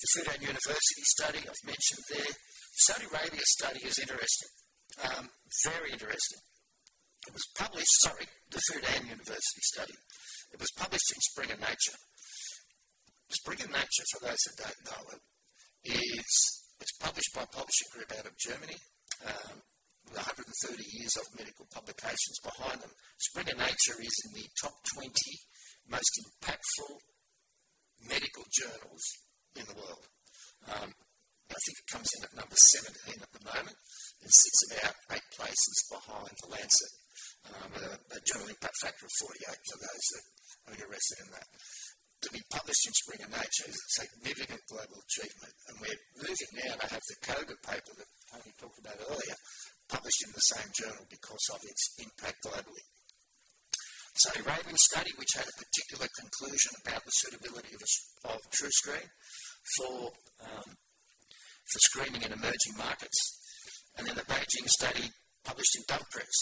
The Food and University study I've mentioned there, the Saudi Arabia study is interesting, very interesting. It was published, sorry, the Food and University study. It was published in Springer Nature. Springer Nature, for those that don't know it, is published by a publishing group out of Germany, with 130 years of medical publications behind them. Springer Nature is in the top 20 most impactful medical journals in the world. I think it comes in at number 17 at the moment and sits about eight places behind The Lancet, with a journal impact factor of 48 for those that are interested in that. To be published in Spring and Nature is a significant global achievement. We're moving now to have the Koga paper that Tony talked about earlier published in the same journal because of its impact globally. The Saudi Arabian study had a particular conclusion about the suitability of TruScreen for screening in emerging markets. The Beijing study published in Dove Press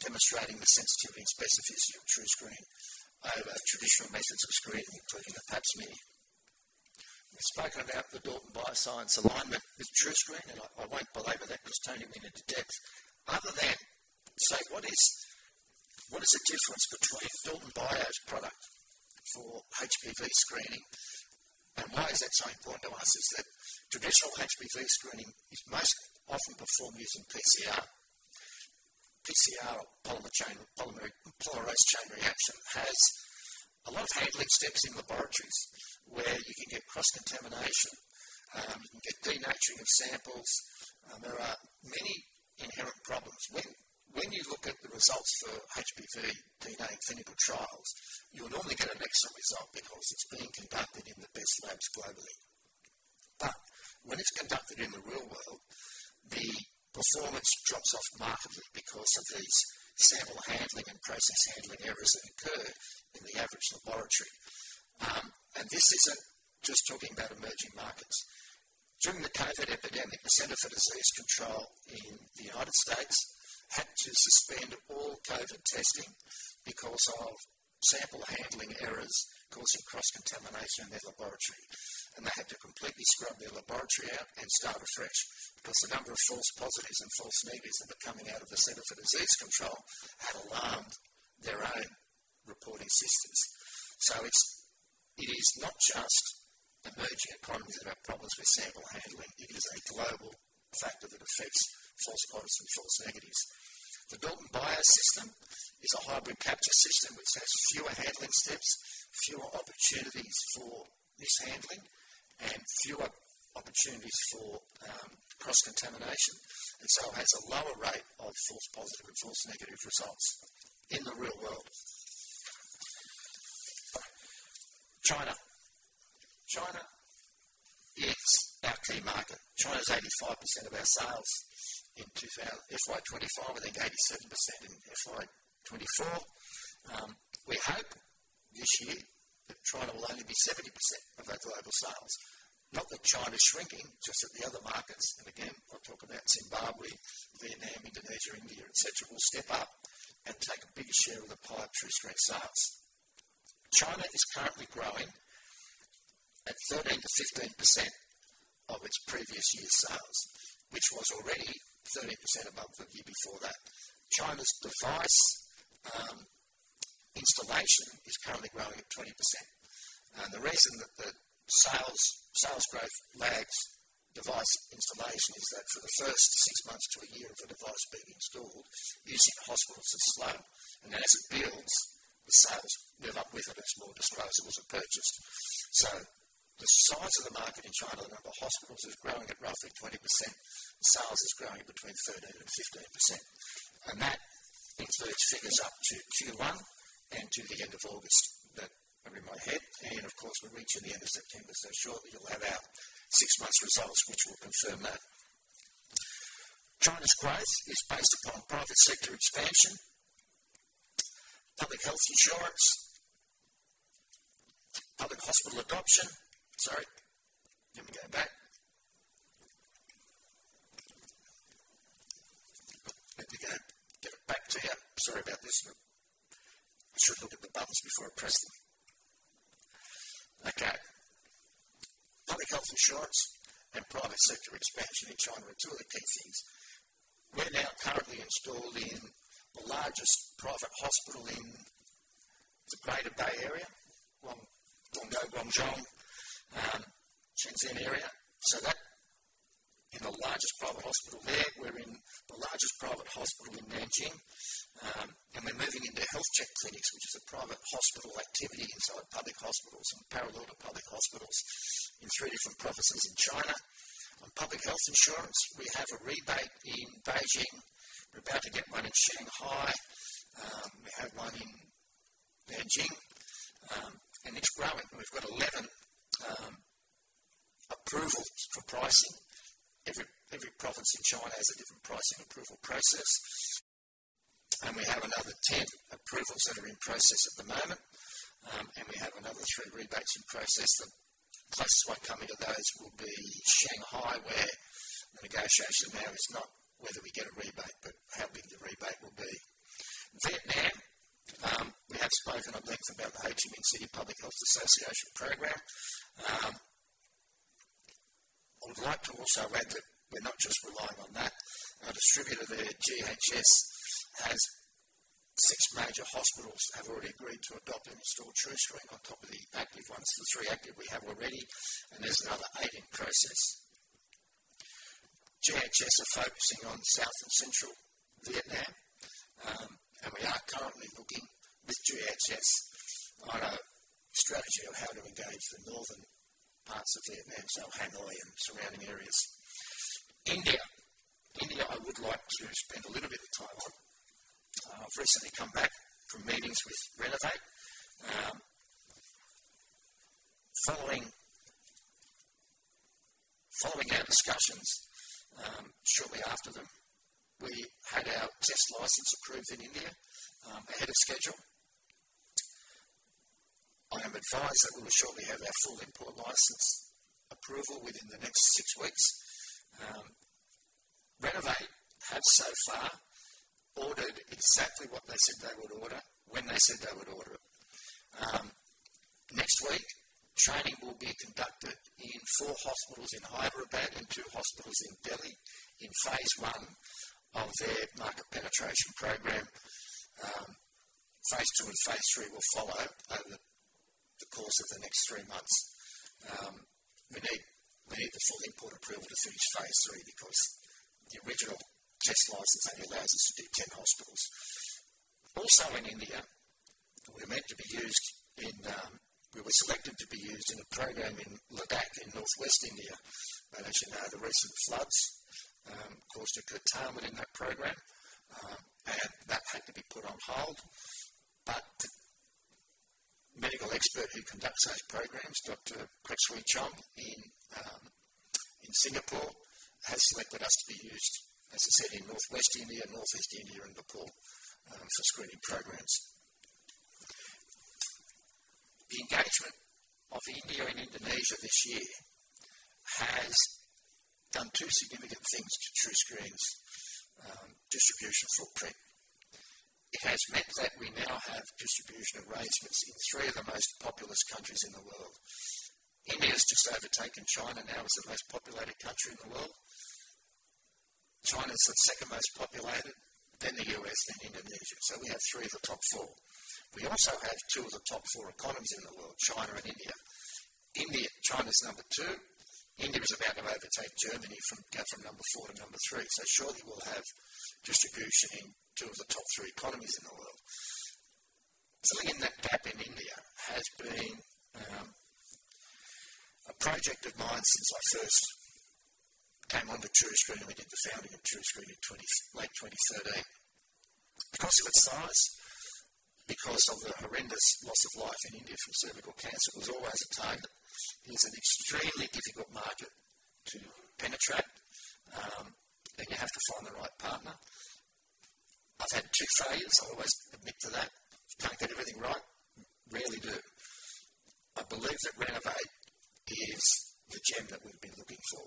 demonstrated the sensitivity and specificity of TruScreen over traditional methods of screening, including the pap smear. We've spoken about the Dalton BioScience alignment with TruScreen, and I won't belabor that because Tony went into depth. Other than to say, what is the difference between Dalton Bioscience's product for HPV screening and why is that so important to us? Traditional HPV screening is most often performed using PCR. PCR, or polymerase chain reaction, has a lot of handling steps in laboratories where you can get cross-contamination. You can get denaturing of samples. There are many inherent problems. When you look at the results for HPV DNA in clinical trials, you'll normally get an excellent result because it's being conducted in the best labs globally. When it's conducted in the real world, the performance drops off markedly because of these sample handling and process handling errors that occur in the average laboratory. This isn't just talking about emerging markets. During the COVID epidemic, the Center for Disease Control in the United States had to suspend all COVID testing because of sample handling errors causing cross-contamination in their laboratory. They had to completely scrub their laboratory out and start afresh because the number of false positives and false negatives that were coming out of the Center for Disease Control had alarmed their own reporting systems. It is not just emerging economies that have problems with sample handling. It is a global factor that affects false positives and false negatives. The Dalton Bioscience system is a hybrid capture system which has fewer handling steps, fewer opportunities for mishandling, and fewer opportunities for cross-contamination. It has a lower rate of false positive and false negative results in the real world. China is our key market. China is 85% of our sales in FY 2025, I think 87% in FY 2024. We hope this year that China will only be 70% of our global sales. Not that China's shrinking, just that the other markets, and again, I'll talk about Zimbabwe, Vietnam, Indonesia, India, etc., will step up and take a bigger share of the pipe TruScreen sales. China is currently growing at 13%-15% of its previous year's sales, which was already 13% above the year before that. China's device installation is currently growing at 20%. The reason that the sales growth lags device installation is that for the first six months to a year of a device being installed, use in hospitals is slow. As it builds, the sales move up with it as more disposables are purchased. The size of the market in China, the number of hospitals, is growing at roughly 20%. The sales is growing between 13% and 15%. That includes figures up to Q1 and to the end of August that are in my head. Of course, we're reaching the end of September. Shortly, you'll have our six-month results, which will confirm that. China's growth is based upon private sector expansion, public health insurance, public hospital adoption. Public health insurance and private sector expansion in China are two of the key things. We're now currently installed in the largest private hospital in the Greater Bay Area, Guangzhou, Shenzhen area. In the largest private hospital there. We're in the largest private hospital in Nanjing. We're moving into health check clinics, which is a private hospital activity inside public hospitals and parallel to public hospitals in three different provinces in China. On public health insurance, we have a rebate in Beijing. We're about to get one in Shanghai. We have one in Nanjing. It's growing. We've got 11 approvals for pricing. Every province in China has a different pricing approval process. We have another 10 approvals that are in process at the moment. We have another three rebates in process. The closest one coming to those will be Shanghai, where the negotiation now is not whether we get a rebate, but how big the rebate will be. Vietnam, we have spoken at length about the Ho Chi Minh City Public Health Association program. I would like to also add that we're not just relying on that. Our distributor there, GHS, has six major hospitals that have already agreed to adopt and install TruScreen on top of the active ones, the three active we have already. There are another eight in process. GHS are focusing on South and Central Vietnam. We are currently looking with GHS on a strategy of how to engage the northern parts of Vietnam, so Hanoi and surrounding areas. India. India, I would like to spend a little bit of time on. I've recently come back from meetings with Renovate. Following our discussions, shortly after them, we had our test license approved in India ahead of schedule. I am advised that we will shortly have our full import license approval within the next six weeks. Renovate have so far ordered exactly what they said they would order when they said they would order it. Next week, training will be conducted in four hospitals in Hyderabad and two hospitals in Delhi in phase I of their market penetration program. Phase two and phase three will follow over the course of the next three months. We need the full import approval to finish phase three because the original test license only allows us to do 10 hospitals. Also in India, we were selected to be used in a program in Ladakh in northwest India. As you know, the recent floods caused a curtailment in that program, and that had to be put on hold. The medical expert who conducts those programs, Dr. Quek Swee Chong in Singapore, has selected us to be used, as I said, in northwest India, northeast India, and Nepal for screening programs. The engagement of India and Indonesia this year has done two significant things to TruScreen's distribution footprint. It has meant that we now have distribution arrangements in three of the most populous countries in the world. India has just overtaken China now as the most populated country in the world. China is the second most populated, then the U.S., then Indonesia. We have three of the top four. We also have two of the top four economies in the world, China and India. China is number two. India is about to overtake Germany to go from number four to number three. Shortly, we'll have distribution in two of the top three economies in the world. Filling in that gap in India has been a project of mine since I first came onto TruScreen and we did the founding of TruScreen in late 2013. Because of its size, because of the horrendous loss of life in India from cervical cancer, it was always a target. It is an extremely difficult market to penetrate, and you have to find the right partner. I've had two failures. I always admit to that. Can't get everything right. Really do. I believe that Renovate is the gem that we've been looking for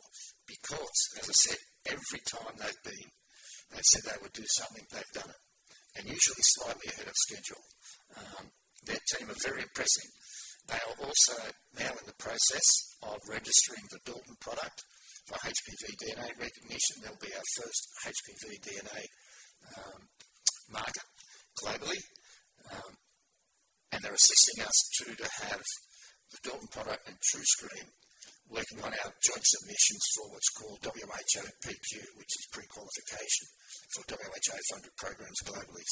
because, as I said, every time they've said they would do something, they've done it, and usually slightly ahead of schedule. Their team are very impressive. They are also now in the process of registering the Dalton product for HPV DNA recognition. That will be our first HPV DNA market globally. They're assisting us to have the Dalton Bioscience product and TruScreen working on our joint submissions for what's called WHO PQ, which is pre-qualification for WHO funded programs globally.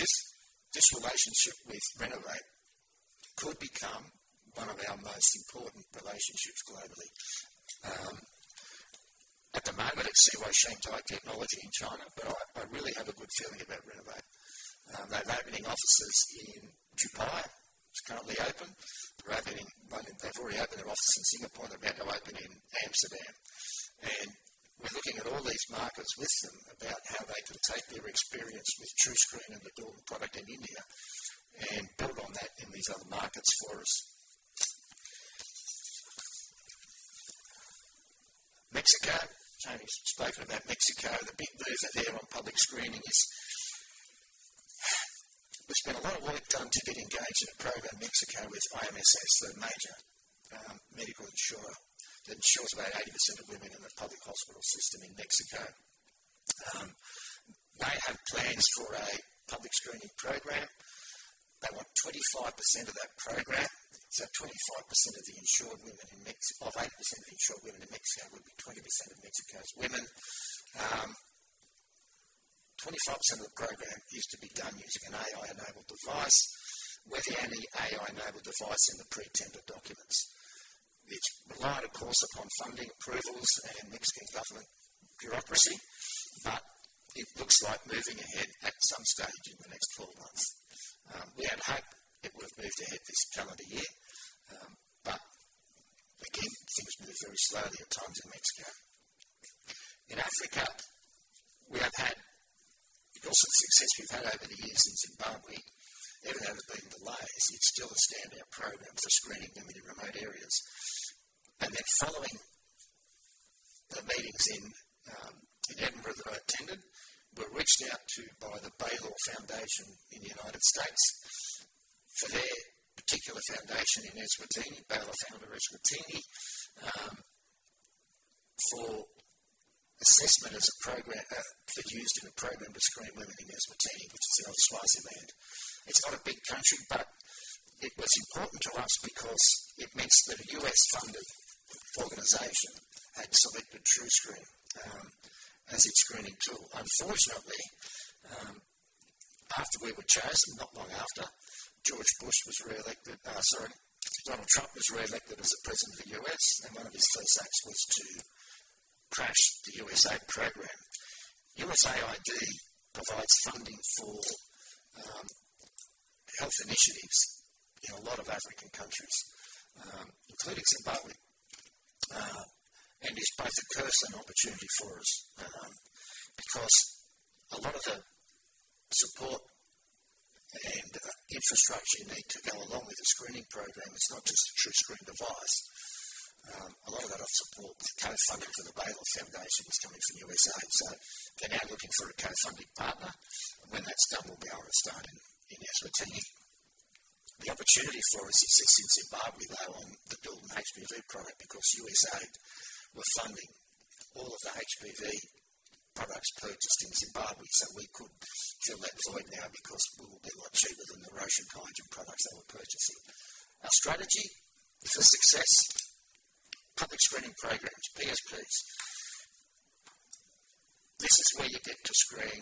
This relationship with Renovate could become one of our most important relationships globally. At the moment, it's Seaway Shanghai Technology in China, but I really have a good feeling about Renovate. They're opening offices in Dubai; it's currently open. They've already opened their office in Singapore. They're about to open in Amsterdam. We're looking at all these markets with them about how they can take their experience with TruScreen and the Dalton product in India and build on that in these other markets for us. Mexico, Tony's spoken about Mexico. The big move there on public screening is there's been a lot of work done to get engaged in a program in Mexico with IMSS, the major medical insurer that insures about 80% of women in the public hospital system in Mexico. They have plans for a public screening program. They want 25% of that program. So 25% of the insured women in Mexico, of 80% of the insured women in Mexico, would be 20% of Mexico's women. 25% of the program is to be done using an AI-enabled device. We're the only AI-enabled device in the pretender documents. It's relied, of course, upon funding approvals and Mexican government bureaucracy, but it looks like moving ahead at some stage in the next 12 months. We had hoped it would have moved ahead this calendar year, but again, things move very slowly at times in Mexico. Africa, we have had, because of the success we've had over the years in Zimbabwe, even though there have been delays, it's still a standout program for screening women in remote areas. Following the meetings in Edinburgh that I attended, we were reached out to by the Baylor Foundation in the United States for their particular foundation in Eswatini, Baylor Foundation Eswatini, for assessment as a program, for use in a program to screen women in Eswatini, which is the old Swaziland. It's not a big country, but it was important to us because it meant that a U.S.-funded organization had selected TruScreen as its screening tool. Unfortunately, after we were chosen, not long after, Donald Trump was reelected as the President of the U.S., and one of his first acts was to crash the USAID program. USAID provides funding for health initiatives in a lot of African countries, including Zimbabwe, and is both a curse and an opportunity for us because a lot of the support and infrastructure you need to go along with the screening program is not just a TruScreen device. A lot of that other support, the co-funding for the Baylor Foundation, is coming from USAID. They're now looking for a co-funding partner. When that's done, we'll be able to start in Eswatini. The opportunity for us exists in Zimbabwe, though, on the Dalton Bioscience HPV DNA test kits product because USAID were funding all of the HPV products purchased in Zimbabwe. We could fill that void now because we will be a lot cheaper than the Roche and Qiagen products they were purchasing. Our strategy for success: public screening programs, PSPs. This is where you get to screen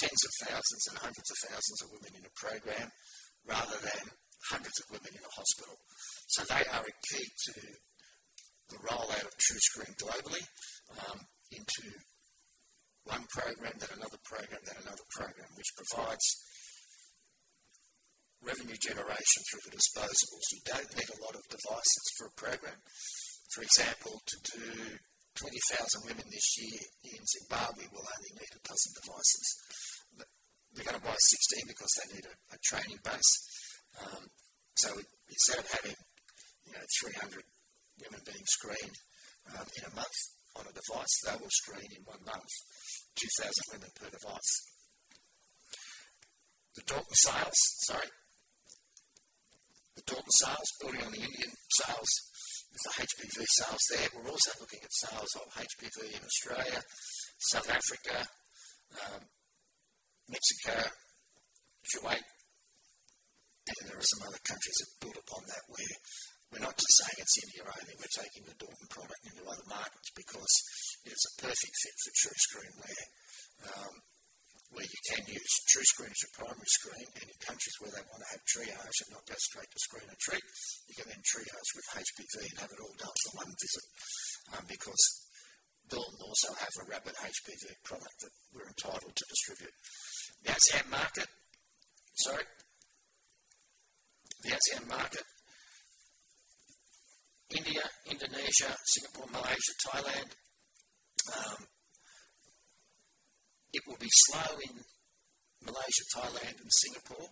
tens of thousands and hundreds of thousands of women in a program rather than hundreds of women in a hospital. They are a key to the rollout of TruScreen globally, into one program, then another program, then another program, which provides revenue generation through the disposables. You don't need a lot of devices for a program. For example, to do 20,000 women this year in Zimbabwe, we'll only need a dozen devices. They're going to buy 16 because they need a training base. Instead of having 300 women being screened in a month on a device, they will screen in one month 2,000 women per device. The Dalton sales, building on the Indian sales with the HPV sales there, we're also looking at sales of HPV in Australia, South Africa, Mexico, Kuwait, and there are some other countries that build upon that where we're not just saying it's India only. We're taking the Dalton product into other markets because it is a perfect fit for TruScreen where you can use TruScreen as your primary screen. In countries where they want to have triage and not go straight to screen and treat, you can then triage with HPV and have it all done in the one visit because Dalton also has a rapid HPV product that we're entitled to distribute. The ASEAN market, India, Indonesia, Singapore, Malaysia, Thailand, it will be slow in Malaysia, Thailand, and Singapore,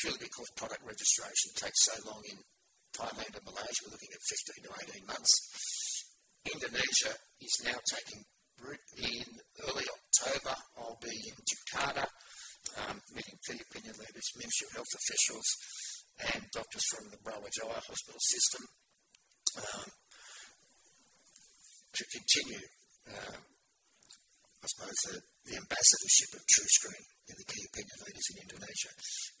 purely because product registration takes so long in Thailand and Malaysia. We're looking at 15-18 months. Indonesia is now taking root in early October. I'll be in Jakarta, meeting key opinion leaders, Ministry of Health officials, and doctors from the Brawijaya Hospital system to continue, I suppose, the ambassadorship of TruScreen and the key opinion leaders in Indonesia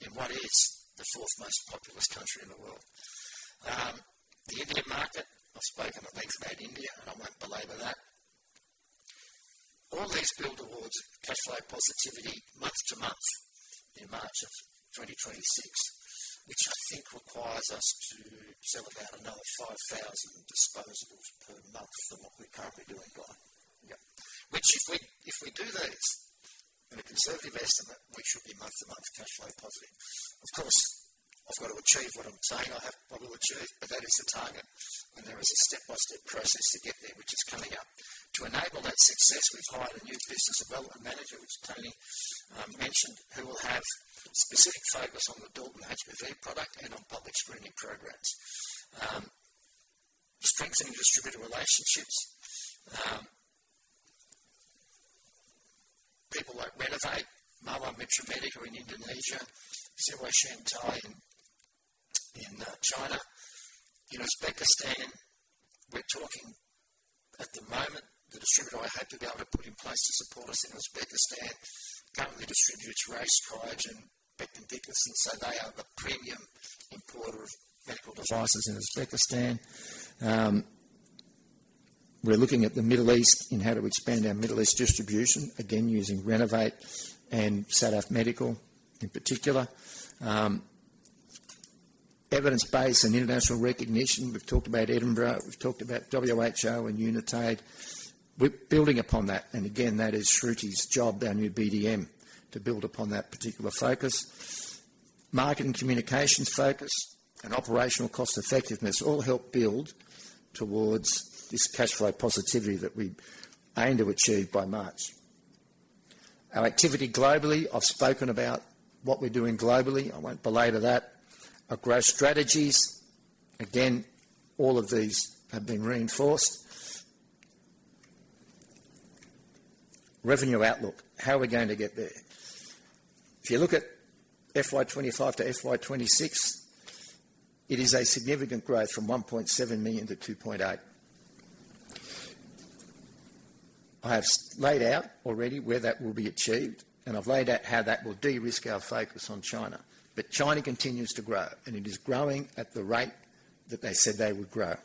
in what is the fourth most populous country in the world. The Indian market, I've spoken at length about India, and I won't belabor that. All these build towards cash flow positivity month to month in March of 2026, which I think requires us to sell about another 5,000 disposables per month than what we're currently doing by. Which if we do this in a conservative estimate, we should be month to month cash flow positive. Of course, I've got to achieve what I'm saying I will achieve, but that is the target. There is a step-by-step process to get there, which is coming up. To enable that success, we've hired a new Business Development Manager, which Tony mentioned, who will have specific focus on the Dalton HPV product and on public screening programs. Strengthening distributor relationships, people like Renovate, Mawar Mitra Medical in Indonesia, Sewai Shangtai in China. In Uzbekistan, we're talking at the moment, the distributor I hope to be able to put in place to support us in Uzbekistan currently distributes Roche, Cogen, Becton, Dickinson. They are the premium importer of medical devices in Uzbekistan. We're looking at the Middle East and how to expand our Middle East distribution, again using Renovate and Sadaf Medical in particular. Evidence-based and international recognition, we've talked about Edinburgh, we've talked about WHO and Unitaid. We're building upon that. That is Shruti's job, our new BDM, to build upon that particular focus. Marketing communications focus and operational cost effectiveness all help build towards this cash flow positivity that we aim to achieve by March. Our activity globally, I've spoken about what we're doing globally. I won't belabor that. Our growth strategies, again, all of these have been reinforced. Revenue outlook, how are we going to get there? If you look at FY 2025 to FY 2026, it is a significant growth from 1.7 million-2.8 million. I have laid out already where that will be achieved, and I've laid out how that will de-risk our focus on China. China continues to grow, and it is growing at the rate that they said they would grow.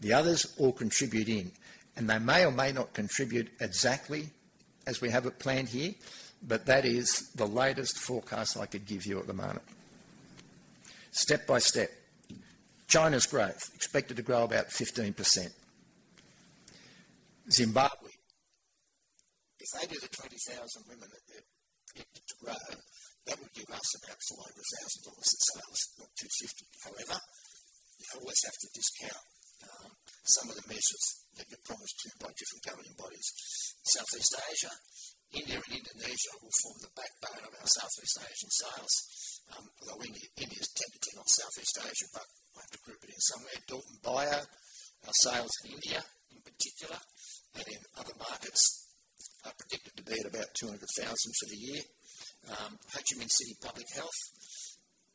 The others all contribute in, and they may or may not contribute exactly as we have it planned here, but that is the latest forecast I could give you at the moment. Step by step, China's growth expected to grow about 15%. Zimbabwe, if they do the 20,000 women that they're predicted to grow, that would give us about 400,000 in sales, not 250,000. However, you always have to discount some of the measures that you're promised to by different governing bodies. Southeast Asia, India and Indonesia will form the backbone of our Southeast Asian sales, although India is technically not Southeast Asia, but I have to group it in somewhere. Dalton Bioscience, our sales in India in particular and in other markets are predicted to be at about 200,000 for the year. Ho Chi Minh City Public Health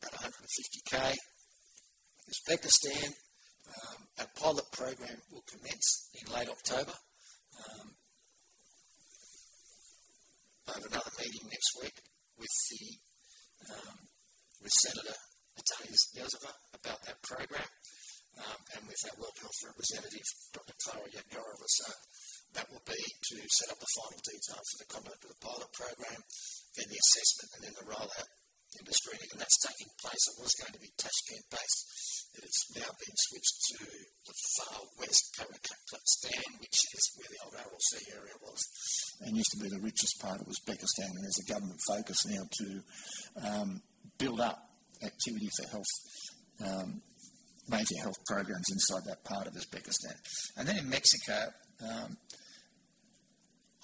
at 150,000. Uzbekistan, our pilot program will commence in late October. I have another meeting next week with Senator Attorney Yesava about that program and with our World Health Organization Representative, Dr. Clara Yadgorova. That will be to set up the final detail for the conduct of the pilot program, then the assessment, and then the rollout into screening. That's taking place. It was going to be Tashkent based, but it's now been switched to the far west Paracatplex Dan, which is where the old Aral Sea area was and used to be the richest part of Uzbekistan. There's a government focus now to build up activity for health, major health programs inside that part of Uzbekistan. In Mexico,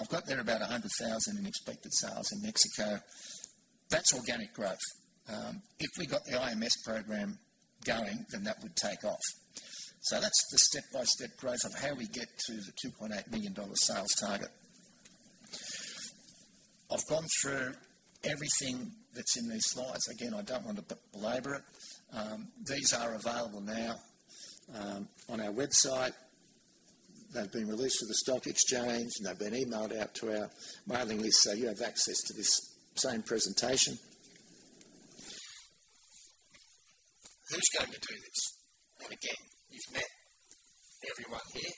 I've got there about 100,000 in expected sales in Mexico. That's organic growth. If we got the IMS program going, that would take off. That's the step-by-step growth of how we get to the 2.8 million dollar sales target. I've gone through everything that's in these slides. I don't want to belabor it. These are available now on our website. They've been released to the stock exchange, and they've been emailed out to our mailing list. You have access to this same presentation. Who's going to do this? You've met everyone here.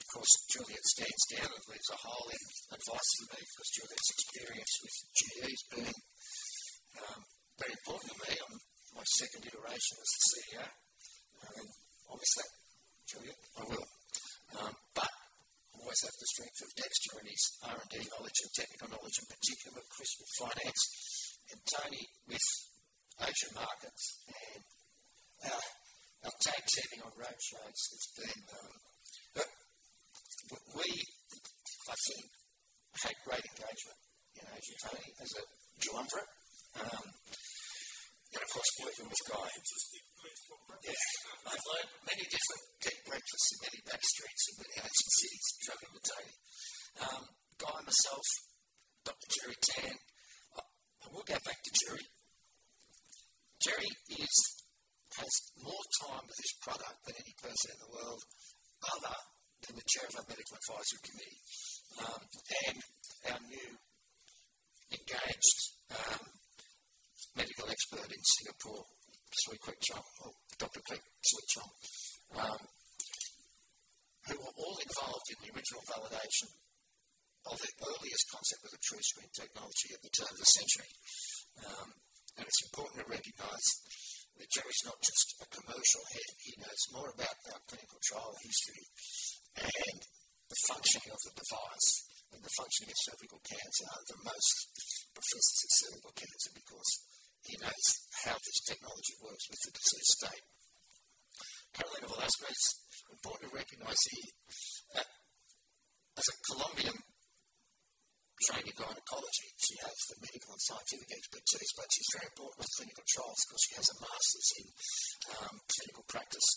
Of course, Juliette stands down and leaves a hole in advice for me because Juliette's experience with GE has been very important to me. I'm my second iteration as the CEO, and I miss that, Juliette. I will. I always have the strength of Dexter and his R&D knowledge and technical knowledge in particular, Chris with finance, and Tony with Asian markets. Our tag teaming on roadshows has been, we, I think, had great engagement in Asia. Tony as a geometrist and, of course, working with Guy. Interesting place for breakfast. Yeah. I've learned many different key breakfasts in many backstreets in many Asian cities traveling with Tony Ho, Guy Robertson, myself, Dr. Jerry Tan. I will get back to Jerry. Jerry has more time with this product than any person in the world, other than the Chair of our Medical Advisory Committee and our new engaged medical expert in Singapore, Dr. Quek Swee Chong, who were all involved in the original validation of the earliest concept of the TruScreen technology at the turn of the century. It's important to recognize that Jerry is not just a commercial head. He knows more about our clinical trial history and the functioning of the device and the functioning of cervical cancer than most professors of cervical cancer, because he knows how this technology works with the disease state. Carolina Velasquez, important to recognize here, as a Colombian trained in gynecology, she has the medical and scientific expertise, but she's very important on clinical trials because she has a master's in clinical practice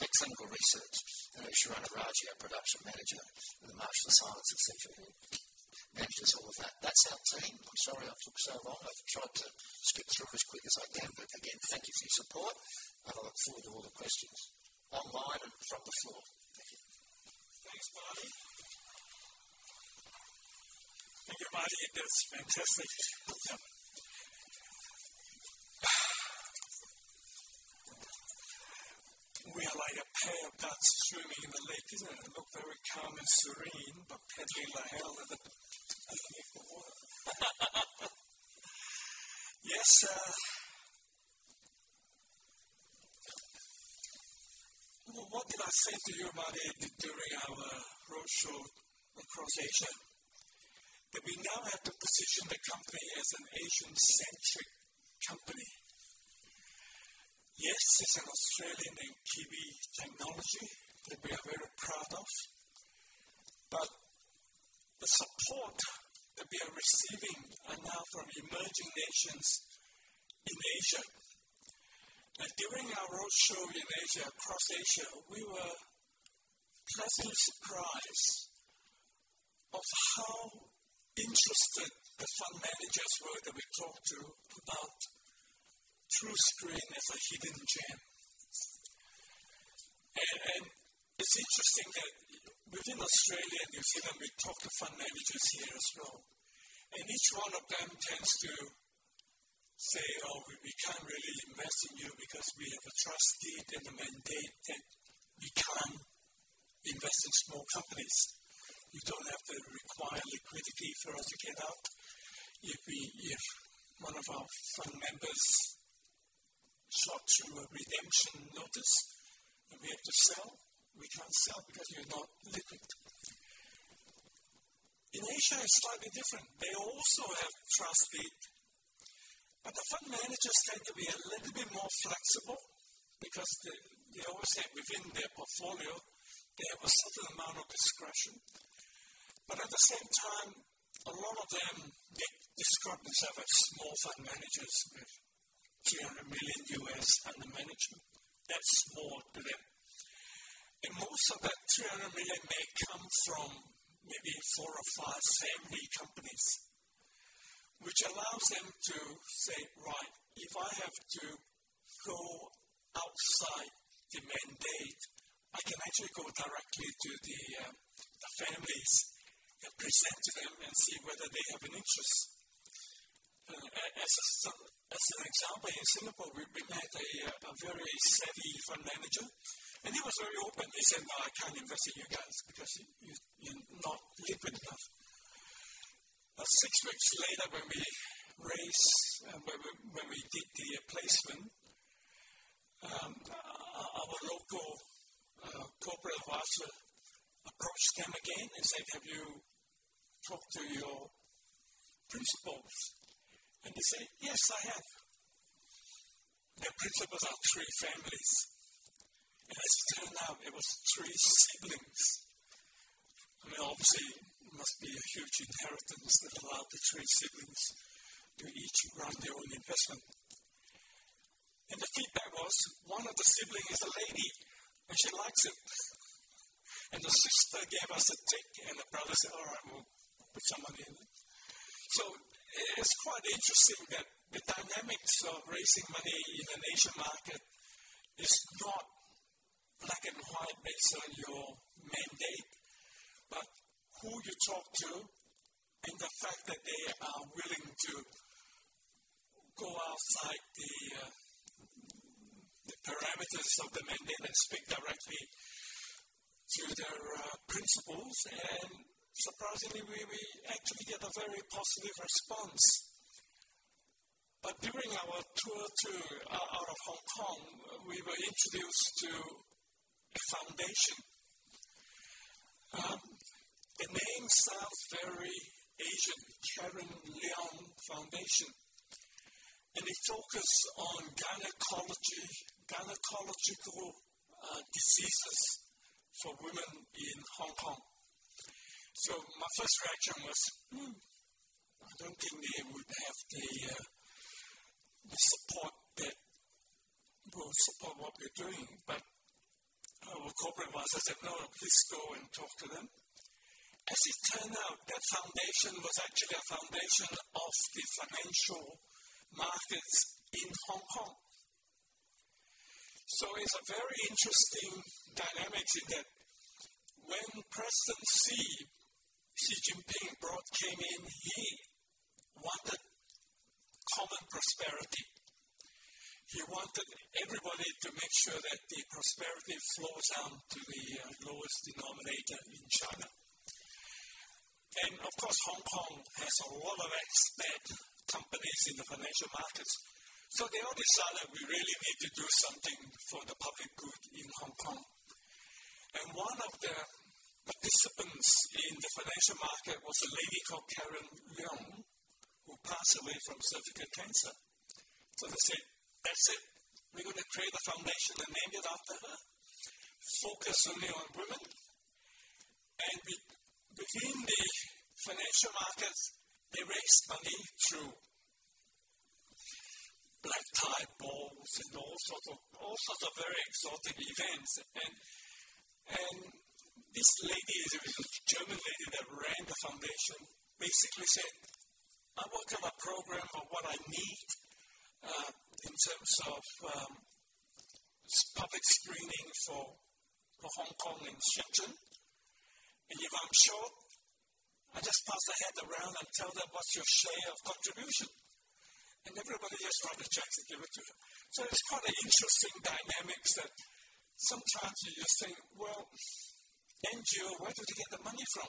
and clinical research. Usheron Araji, our Production Manager of the Marshall Science, etc., manages all of that. That's our team. I'm sorry I took so long. I've tried to skip through it as quick as I can. Thank you for your support. I look forward to all the questions online and from the floor. Thank you. Thanks, Marty. Thank you, Marty. That's fantastic. Yeah. We are like a pair of ducks swimming in the lake, isn't it? It looks very calm and serene, but pedaling like hell underneath the water. What did I say to you, Marty, during our roadshow across Asia? That we now have to position the company as an Asian-centric company. Yes, it's an Australian and Kiwi technology that we are very proud of. The support that we are receiving now from emerging nations in Asia. During our roadshow in Asia, across Asia, we were pleasantly surprised at how interested the fund managers were that we talked to about TruScreen as a hidden gem. It's interesting that within Australia and New Zealand, we talked to fund managers here as well. Each one of them tends to say, "Oh, we can't really invest in you because we have a trust deed and a mandate that we can't invest in small companies. You don't have the required liquidity for us to get out. If one of our fund members shot through a redemption notice and we have to sell, we can't sell because you're not liquid." In Asia, it's slightly different. They also have trust deeds. The fund managers tend to be a little bit more flexible because they always say within their portfolio, they have a certain amount of discretion. At the same time, a lot of them describe themselves as small fund managers with $300 million under management. That's small to them. Most of that $300 million may come from maybe four or five family companies, which allows them to say, "Right, if I have to go outside the mandate, I can actually go directly to the families and present to them and see whether they have an interest." As an example, in Singapore, we met a very savvy fund manager, and he was very open. He said, "No, I can't invest in you guys because you're not liquid enough." Six weeks later, when we did the placement, our local corporate advisor approached them again and said, "Have you talked to your principals?" They said, "Yes, I have." Their principals are three families. As it turned out, it was three siblings. Obviously, it must be a huge inheritance that allowed the three siblings to each run their own investment. The feedback was one of the siblings is a lady, and she likes it. The sister gave us a tick, and the brother said, "All right, we'll put some money in it." It's quite interesting that the dynamics of raising money in an Asian market is not black and white based on your mandate, but who you talk to and the fact that they are willing to go outside the parameters of the mandate and speak directly to their principals. Surprisingly, we actually get a very positive response. During our tour out of Hong Kong, we were introduced to a foundation. The name sounds very Asian, Karen Leong Foundation. It focused on gynecological diseases for women in Hong Kong. My first reaction was, I don't think they would have the support that will support what we're doing. Our corporate advisor said, "No, no, please go and talk to them." As it turned out, that foundation was actually a foundation of the financial markets in Hong Kong. It's a very interesting dynamic in that when President Xi Jinping came in, he wanted common prosperity. He wanted everybody to make sure that the prosperity flows down to the lowest denominator in China. Of course, Hong Kong has a lot of expat companies in the financial markets. They all decided we really need to do something for the public good in Hong Kong. One of the participants in the financial market was a lady called Karen Leong, who passed away from cervical cancer. They said, "That's it. We're going to create a foundation and name it after her, focus only on women." Within the financial markets, they raised money through black tie balls and all sorts of very exotic events. This lady, it was a German lady that ran the foundation, basically said, "I work on a program of what I need in terms of public screening for Hong Kong and Shenzhen. If I'm short, I just pass the hat around and tell them what's your share of contribution." Everybody just wrote the checks and gave it to her. It's quite an interesting dynamic that sometimes you think, "NGO, where do they get the money from?"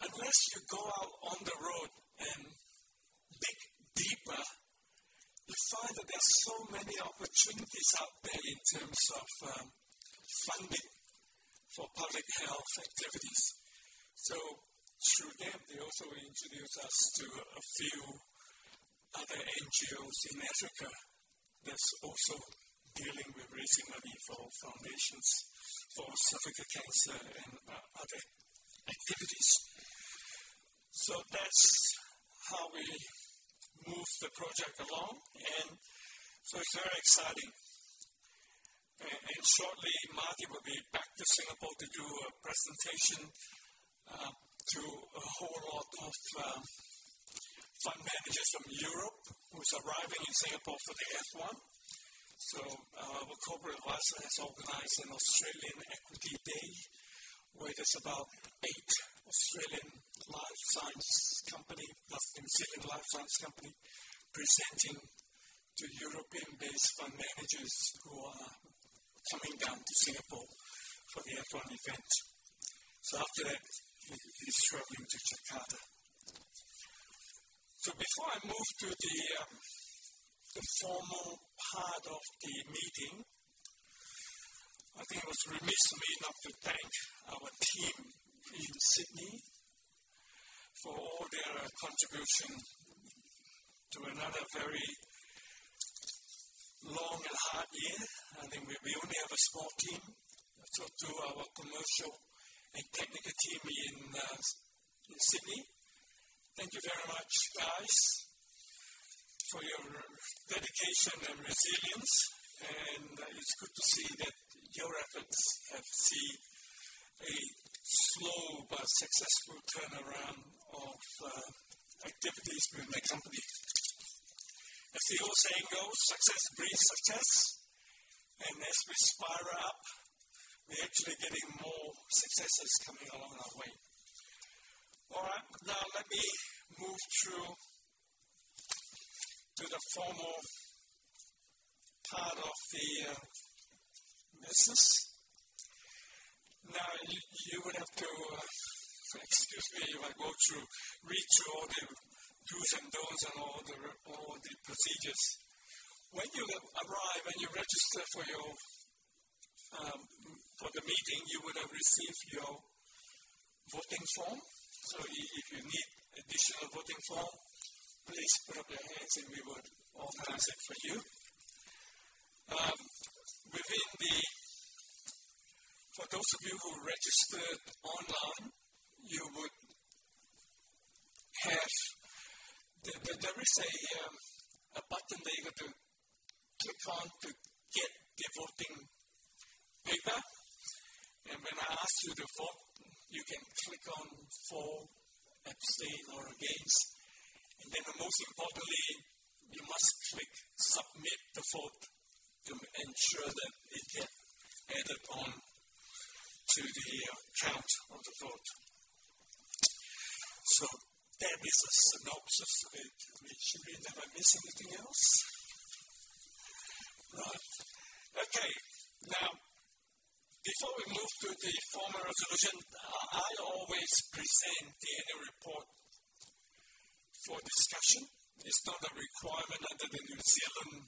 Unless you go out on the road and dig deeper, you find that there are so many opportunities out there in terms of funding for public health activities. Through them, they also introduced us to a few other NGOs in Africa that's also dealing with raising money for foundations for cervical cancer and other activities. That's how we move the project along. It's very exciting. Shortly, Marty will be back to Singapore to do a presentation to a whole lot of fund managers from Europe who are arriving in Singapore for the F1. Our corporate advisor has organized an Australian Equity Day where there's about eight Australian life science companies plus New Zealand life science companies presenting to European-based fund managers who are coming down to Singapore for the F1 event. After that, he's traveling to Jakarta. Before I move to the formal part of the meeting, I think it was remiss for me not to thank our team in Sydney for all their contribution to another very long and hard year. I think we only have a small team. To our commercial and technical team in Sydney, thank you very much, guys, for your dedication and resilience. It's good to see that your efforts have seen a slow but successful turnaround of activities within the company. As the old saying goes, success breeds success. As we spiral up, we're actually getting more successes coming along our way. Now, let me move through to the formal part of the business. You would have to excuse me if I go through, read through all the do's and don'ts and all the procedures. When you arrive and you register for the meeting, you would have received your voting form. If you need additional voting form, please put up your hands and we would organize it for you. For those of you who registered online, there is a button that you're going to click on to get the voting paper. When I ask you to vote, you can click on for, abstain, or against. Most importantly, you must click submit the vote to ensure that it gets added on to the count of the vote. That is a synopsis of it. Should we never miss anything else? Right. Now, before we move to the formal resolution, I always present the annual report for discussion. It's not a requirement under the New Zealand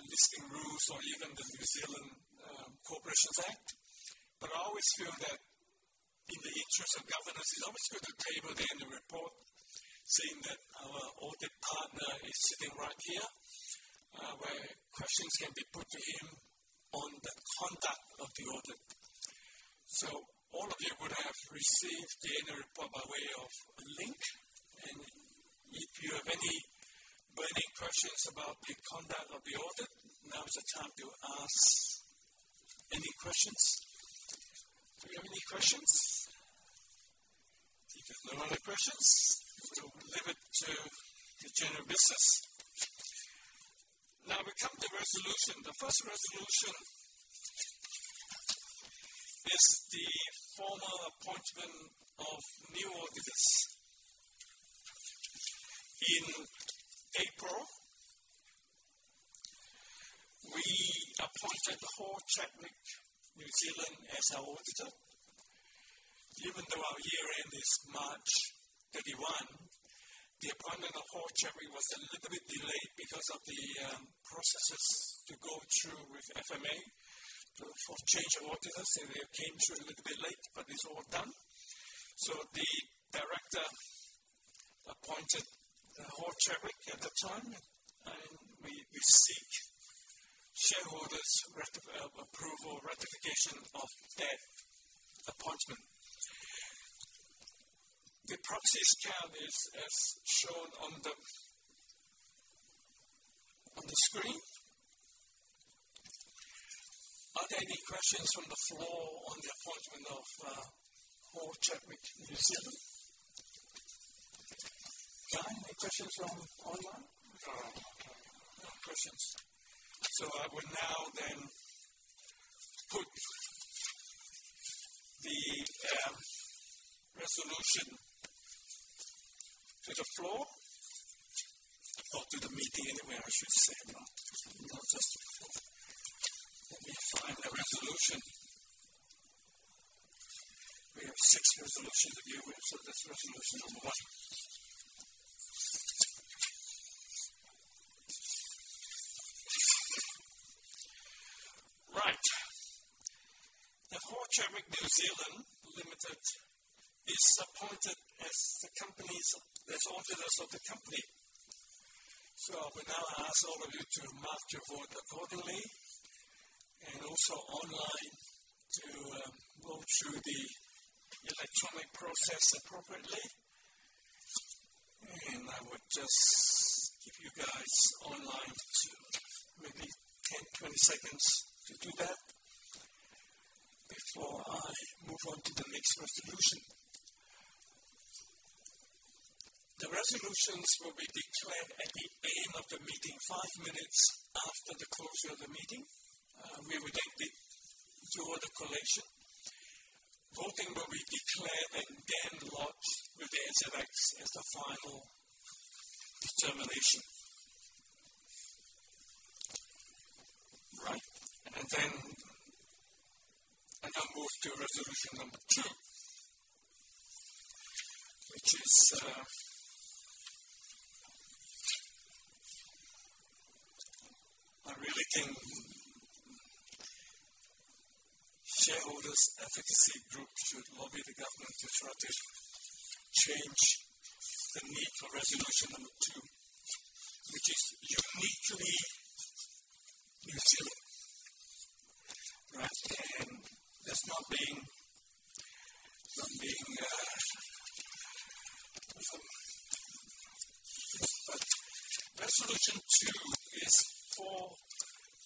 listing rules or even the New Zealand Corporations Act. I always feel that in the interest of governance, it's always good to table the annual report, saying that our audit partner is sitting right here where questions can be put to him on the conduct of the audit. All of you would have received the annual report by way of a link. If you have any burning questions about the conduct of the audit, now's the time to ask any questions. Do you have any questions? If there's no other questions, we'll leave it to the general business. Now, we come to resolution. The first resolution is the formal appointment of new auditors. In April, we appointed Hall Chadwick, New Zealand, as our auditor. Even though our year-end is March 31, the appointment of Hall Chadwick was a little bit delayed because of the processes to go through with FMA for change of auditors. They came through a little bit late, but it's all done. The director appointed Hall Chadwick at the time, and we seek shareholders' approval, ratification of that appointment. The proxies count is as shown on the screen. Are there any questions from the floor on the appointment of Hall Chadwick, New Zealand? Guy, any questions from online? No, no, no, no, no, no. No questions. I will now then put the resolution to the floor or to the meeting anyway, I should say, not just to the floor. Let me find the resolution. We have six resolutions to deal with. That's resolution number one. Right. That Hall Chadwick, New Zealand Limited, is appointed as the company's auditors. I will now ask all of you to mark your vote accordingly and also online to go through the electronic process appropriately. I would just give you guys online maybe 10 seconds-20 seconds to do that before I move on to the next resolution. The resolutions will be declared at the end of the meeting, five minutes after the closure of the meeting. We will then draw the collation. Voting will be declared and then lodged with the NZX as the final determination. I now move to resolution number two, which is I really think shareholders' advocacy group should lobby the government to try to change the need for resolution number two, which is uniquely New Zealand. That's not being, not being. Resolution two is for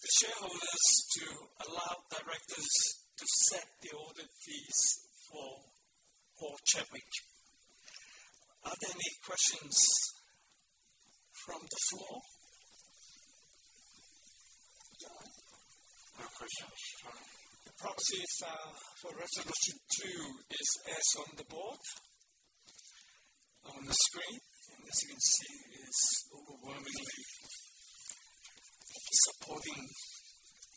the shareholders to allow directors to set the audit fees for Hall Chadwick. Are there any questions from the floor? Guy? No questions. The proxies for resolution two are as on the board, on the screen. As you can see, it's overwhelmingly supporting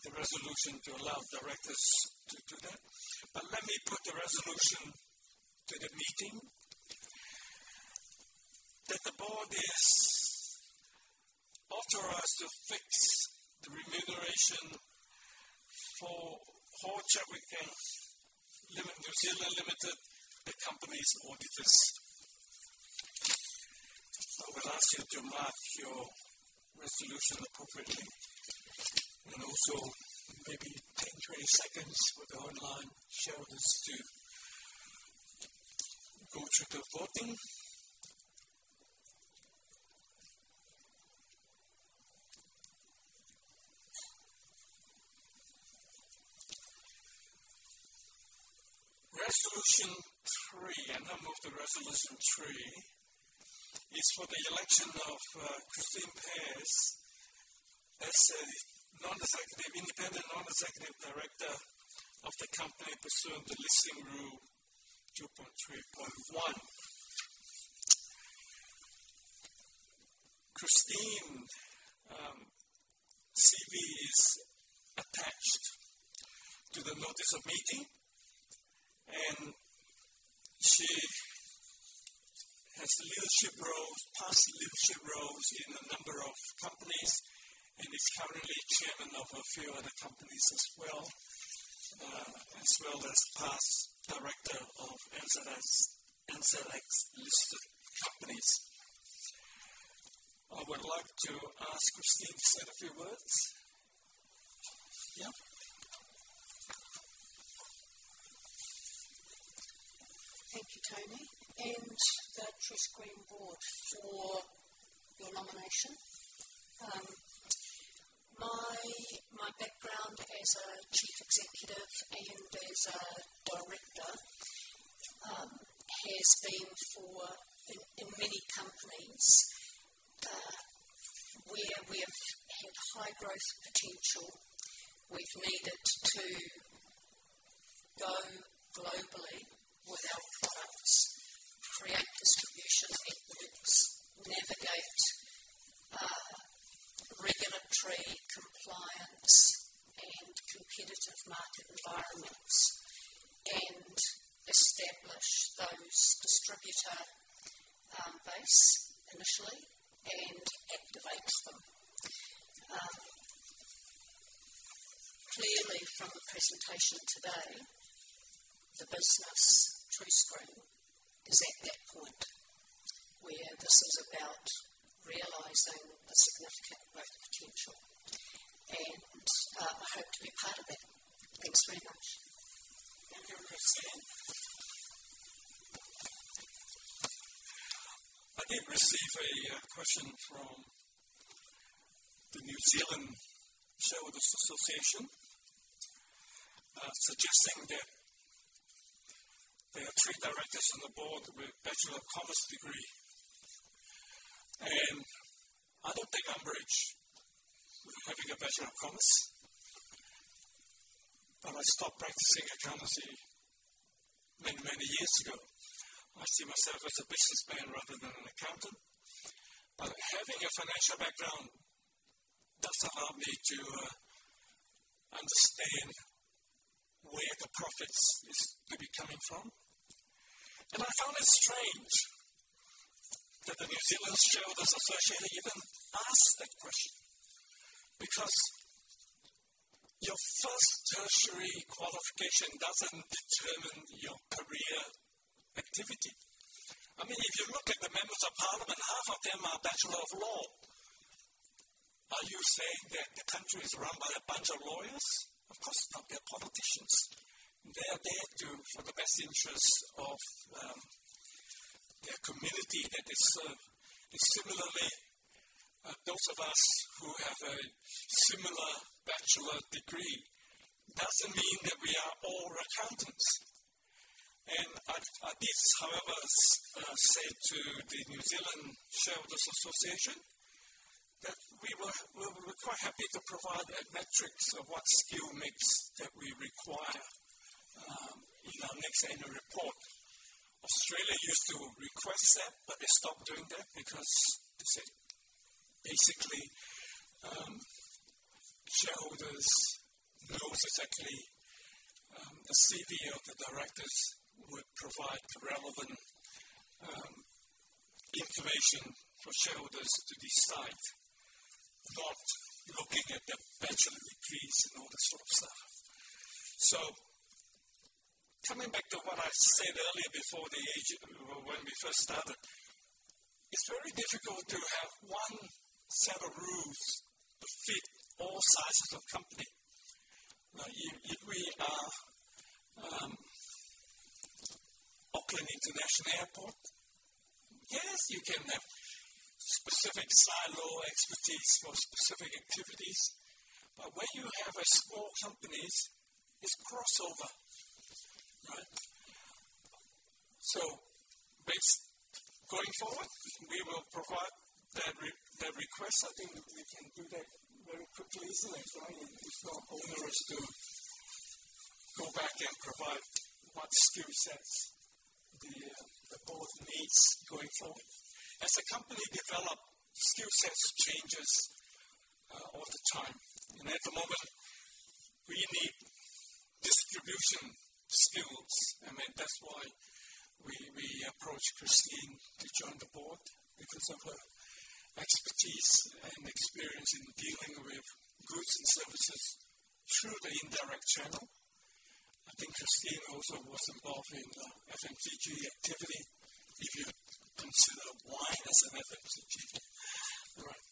the resolution to allow directors to do that. Let me put the resolution to the meeting that the board is authorized to fix the remuneration for Hall Chadwick and New Zealand Limited, the company's auditors. I will ask you to mark your resolution appropriately and also maybe 10 seconds-20 seconds for the online shareholders to go through the voting. I now move to resolution three, which is for the election of Christine Pairs as a Non-Executive, Independent Non-Executive Director of the company pursuant to listing rule 2.3.1. Christine's CV is attached to the notice of meeting. She has leadership roles, past leadership roles in a number of companies, and is currently Chairman of a few other companies as well, as well as past Director of NZX listed companies. I would like to ask Christine to say a few words. Yeah. Thank you, Tony, and the TruScreen board for your nomination. My background as a Chief Executive and as a Director has been in many companies where we have had high growth potential. We've needed to go globally with our products, create distribution networks, navigate regulatory compliance and competitive market environments, and establish those distributor base initially and activate them. Clearly, from the presentation today, the business TruScreen is at that point where this is about realizing the significant growth potential. I hope to be part of that. Thanks very much. Thank you, Christine. I did receive a question from the New Zealand Shareholders' Association suggesting that there are three directors on the board with a Bachelor of Commerce degree. I don't think I'm rich having a Bachelor of Commerce, but I stopped practicing accountancy many, many years ago. I see myself as a businessman rather than an accountant. Having a financial background does allow me to understand where the profits are coming from. I found it strange that the New Zealand Shareholders' Association even asked that question because your first tertiary qualification doesn't determine your career activity. I mean, if you look at the members of parliament, half of them are a Bachelor of Law. Are you saying that the country is run by a bunch of lawyers? Of course not. They're politicians. They're there for the best interests of the community that they serve. Similarly, those of us who have a similar bachelor degree doesn't mean that we are all accountants. I did, however, say to the New Zealand Shareholders' Association that we were quite happy to provide a metric of what skill mix that we require in our next annual report. Australia used to request that, but they stopped doing that because they said basically shareholders know exactly the CV of the directors would provide the relevant information for shareholders to decide, not looking at their bachelor degrees and all this sort of stuff. Coming back to what I said earlier before the age when we first started, it's very difficult to have one set of rules to fit all sizes of company. If we are Auckland International Airport, yes, you can have specific silo expertise for specific activities. When you have small companies, it's crossover. Right. Going forward, we will provide that request. I think we can do that very quickly, isn't it, Guy? It's not onerous to go back and provide what skill set the board needs going forward. As a company develops, skill sets change all the time. At the moment, we need distribution skills. That's why we approached Christine to join the board because of her expertise and experience in dealing with goods and services through the indirect channel. I think Christine also was involved in the FMCG activity if you consider wine as an FMCG. Right.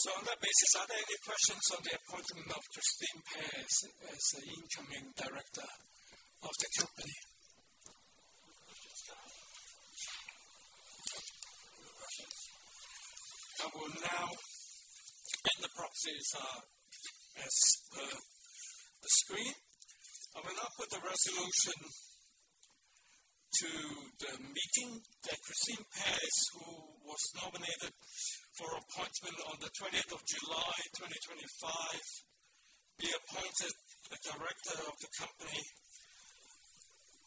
On that basis, are there any questions on the appointment of Christine Pears as the incoming director of the company? No questions, Guy? No. No questions. I will now end the proxies as per the screen. I will now put the resolution to the meeting that Christine Pairs, who was nominated for appointment on the 28th of July 2025, be appointed a director of the company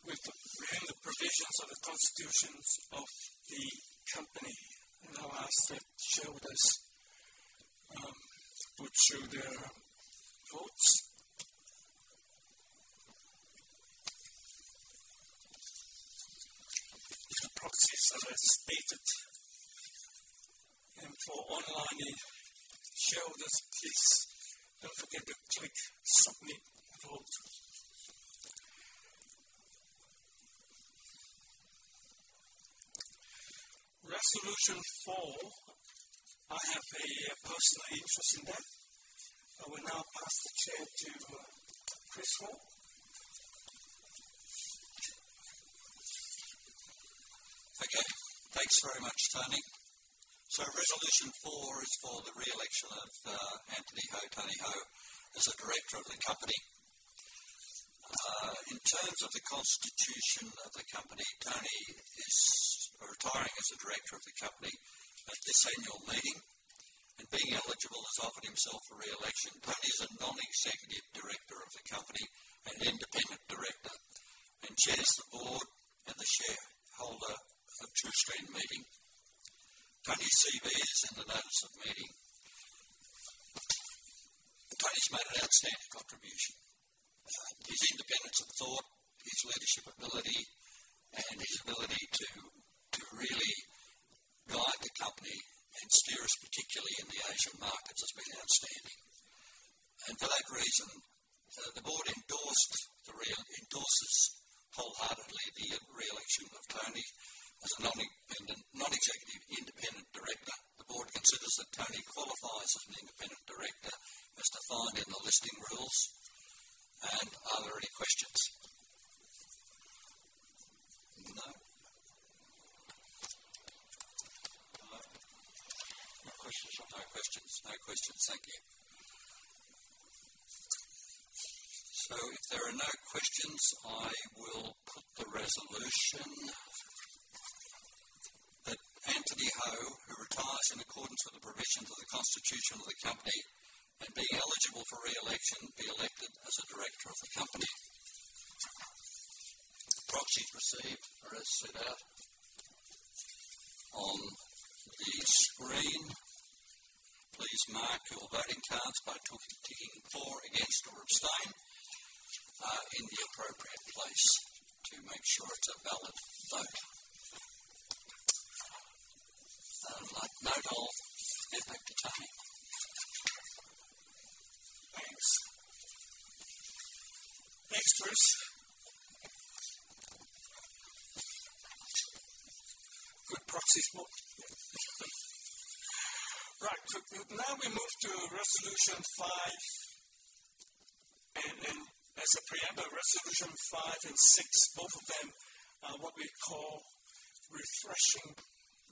within the provisions of the constitutions of the company. I will ask that shareholders put through their votes. The proxies are as stated. For online shareholders, please don't forget to click submit vote. Resolution four, I have a personal interest in that. I will now pass the chair to Chris Horn. Okay. Thanks very much, Tony. Resolution four is for the reelection of Tony Ho as a director of the company. In terms of the constitution of the company, Tony is retiring as the director of the company at this annual meeting and, being eligible, has offered himself for reelection. Tony is a Non-Executive Director of the company and an Independent Director and chairs the board and the shareholder of TruScreen Meeting. Tony's CV is in the notice of meeting. Tony's made an outstanding contribution. His independence of thought, his leadership ability, and his ability to really guide the company and steer us, particularly in the Asian markets, has been outstanding. For that reason, the board endorses wholeheartedly the reelection of Tony as a Non-Executive Independent Director. The board considers that Tony qualifies as an Independent Director as defined in the listing rules. Are there any questions? No. No questions from me. No questions. No questions. Thank you. If there are no questions, I will put the resolution that Tony Ho, who retires in accordance with the provisions of the constitution of the company and being eligible for reelection, be elected as a director of the company. Proxies received are as set out on the screen. Please mark your voting cards by ticking for, against, or abstain in the appropriate place to make sure it's a valid vote. I note I'll hand back to Tony. Thanks. Thanks, Chris. Good proxies want. Right. Now we move to resolution five. As a preamble, resolution five and six, both of them are what we call refreshing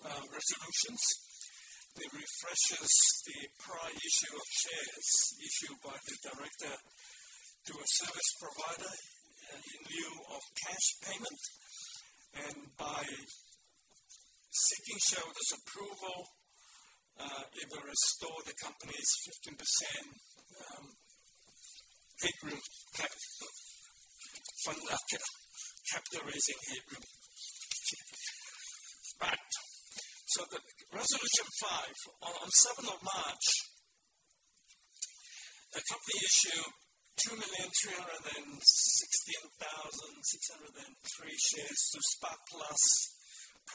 resolutions. They refresh the prior issue of shares issued by the director to a service provider in lieu of cash payment. By seeking shareholders' approval, it will restore the company's 15% capital raising headroom. Right. Resolution five, on 7th of March, the company issued 2,316,603 shares to Spark Plus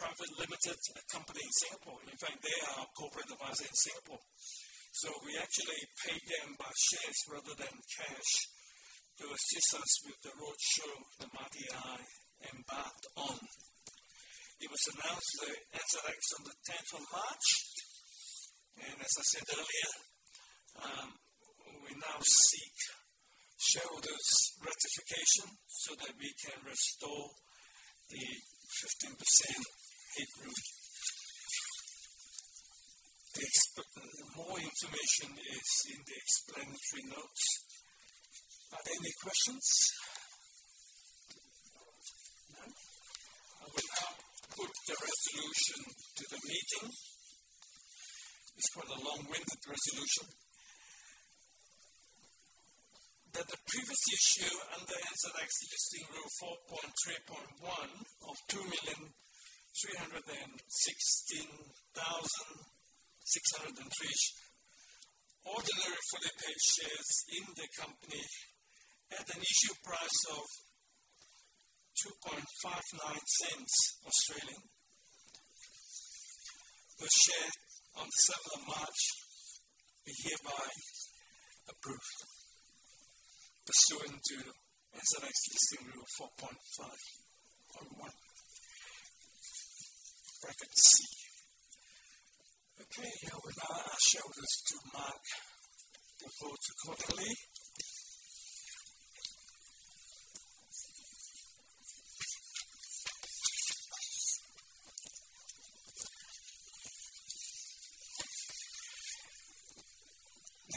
Private Limited, a company in Singapore. In fact, they are our corporate advisors in Singapore. We actually paid them by shares rather than cash to assist us with the roadshow that Marty and I embarked on. It was announced to the NZX on the 10th of March. As I said earlier, we now seek shareholders' ratification so that we can restore the 15% headroom. More information is in the explanatory notes. Are there any questions? No. I will now put the resolution to the meeting. It's quite a long-winded resolution. That the previous issue under NZX listing rule 4.3.1 of 2,316,603 ordinary fully paid shares in the company at an issue price of AUD 0.0259 per share on the 7th of March be hereby approved pursuant to NZX listing rule 4.5.1(c). Okay. I will now ask shareholders to mark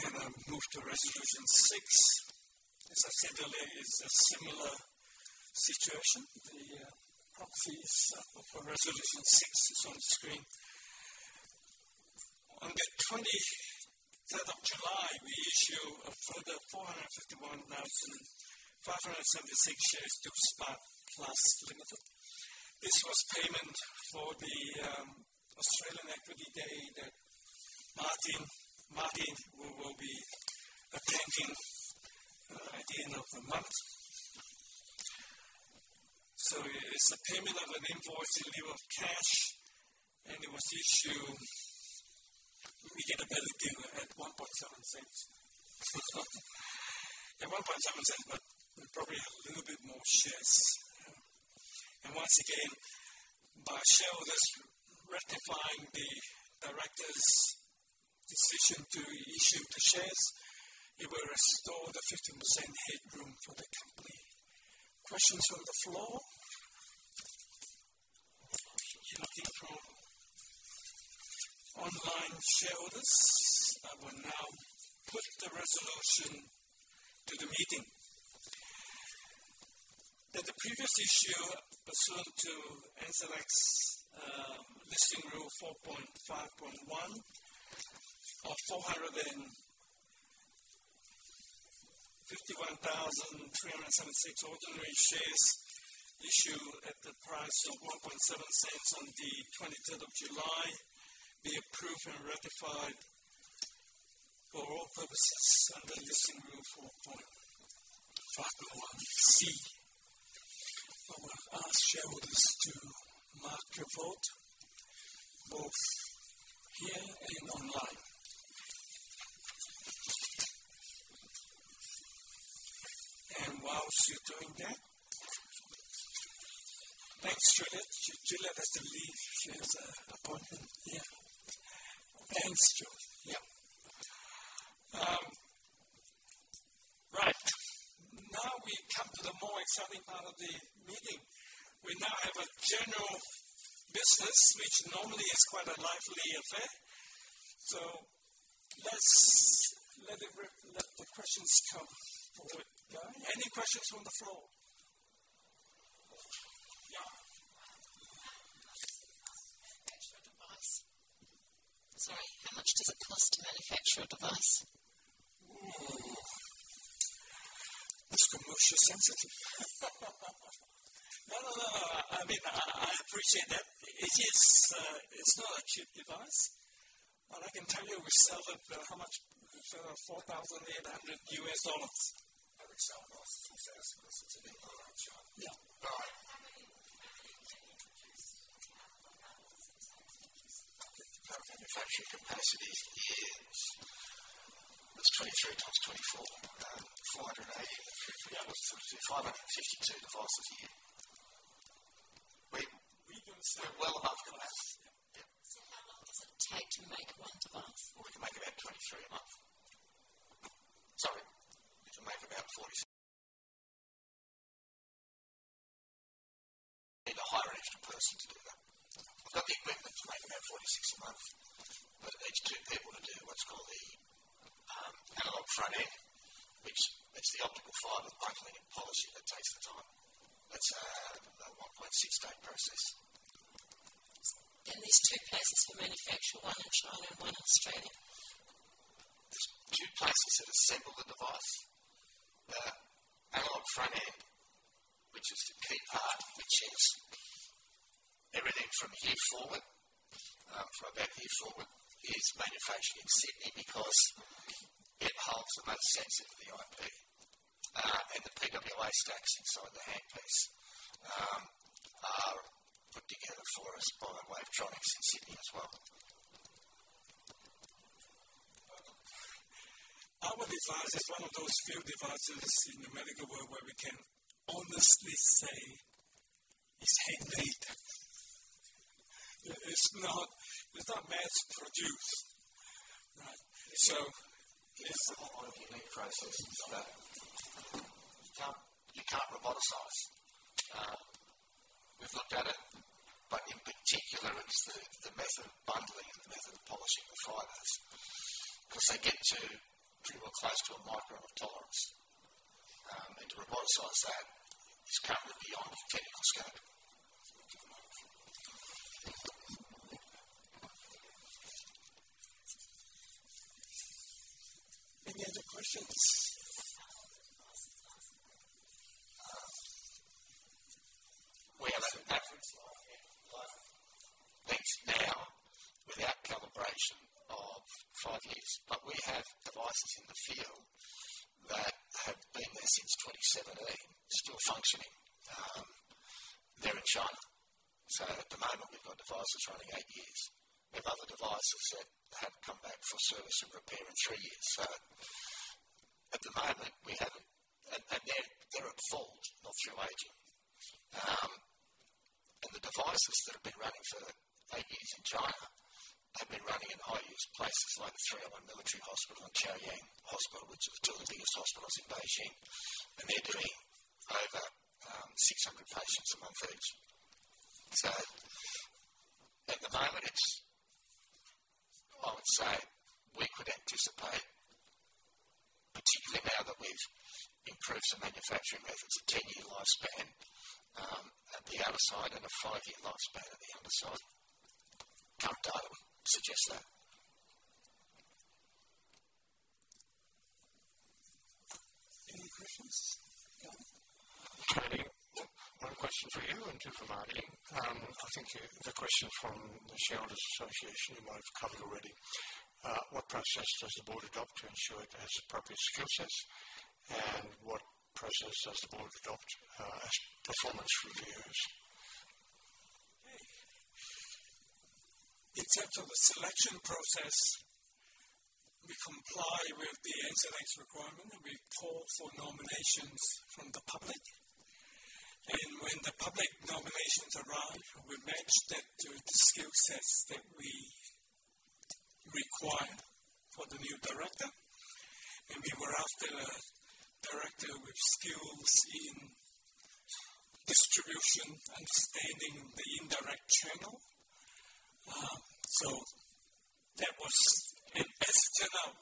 their votes accordingly. I move to resolution six. As I said earlier, it's a similar situation. The proxies for resolution six is on the screen. On the 23rd of July, we issued a further 451,576 shares to Spark Plus Private Limited. This was payment for the Australian Equity Day that Martin Dillon will be attending at the end of the month. It's a payment of an invoice in lieu of cash, and it was issued. We get a better deal at 0.017. At 0.017, but probably a little bit more shares. Once again, by shareholders ratifying the directors' decision to issue the shares, it will restore the 15% headroom for the company. Questions from the floor? No questions. Nothing from online shareholders. I will now put the resolution to the meeting. That the previous issue pursuant to NZX listing rule 4.5.1 of 451,376 ordinary shares issued at the price of 0.017 on the 23rd of July be approved and ratified for all purposes under listing rule 4.5.1(c). I will ask shareholders to mark your vote, both here and online. Whilst you're doing that, thanks, Juliette. Juliette has to leave. She has an appointment here. Thanks, Juliette. Right. Now we come to the more exciting part of the meeting. We now have general business, which normally is quite a lively affair. Let's let the questions come forward, Guy. Any questions from the floor? Yeah. How much does it cost to manufacture a device? This commercial is sensitive. I appreciate that. It's not a cheap device, but I can tell you we sell it for how much? We sell it at $4,800. Average sale cost is $4,000 because it's a bit larger in China. Yeah. Our manufacturing capacity is, what's 23x- 24? 480 and 324, so it's 552 devices a year. We don't sell. We're well above capacity. Yeah. Yeah. How long does it take to make one device? We can make about 23 a month. Sorry, we can make about 40. I need to hire an extra person to do that. I've got the equipment to make about 46 a month, but it needs two people to do what's called the analogue front end, which is the optical fiber bundling and polishing that takes the time. That's a 1.6-day process. There are two places for manufacture, one in China and one in Australia? are two places that assemble the device. The analog front end, which is the key part, which is everything from here forward, from about here forward, is manufactured in Sydney because it holds the most sensitive of the IP. The PWA stacks inside the handpiece are put together for us by Wavetronics in Sydney as well. Our device is one of those few devices in the medical world where we can honestly say it's handmade. It's not mass produced, right. It's a whole lot of unique process that you can't roboticize. We've looked at it. In particular, it's the method of bundling and the method of polishing the fibers because they get to pretty well close to a micron of tolerance. To roboticize that is currently beyond technical scope. Picture the microphone. Any other questions? We have an average life length now without calibration of five years, but we have devices in the field that have been there since 2017, still functioning. They're in China. At the moment, we've got devices running eight years. We have other devices that have come back for service and repair in three years. They're at fault, not through aging. The devices that have been running for eight years in China have been running in high-use places like the 301 Military Hospital and Chaoyang Hospital, which are two of the biggest hospitals in Beijing. They're doing over 600 patients a month each. At the moment, I would say we could anticipate, particularly now that we've improved the manufacturing methods, a 10-year lifespan at the outer side and a five-year lifespan at the underside. Current data would suggest that. Any questions? Guy? Tony, one question for you and two for Marty. I think the question from the Shareholders' Association you might have covered already. What process does the board adopt to ensure it has appropriate skill sets? What process does the board adopt as performance reviews? Okay. In terms of the selection process, we comply with the NZX requirement. We call for nominations from the public. When the public nominations arrive, we match that to the skill sets that we require for the new director. We were after a director with skills in distribution, understanding the indirect channel. As it turned out,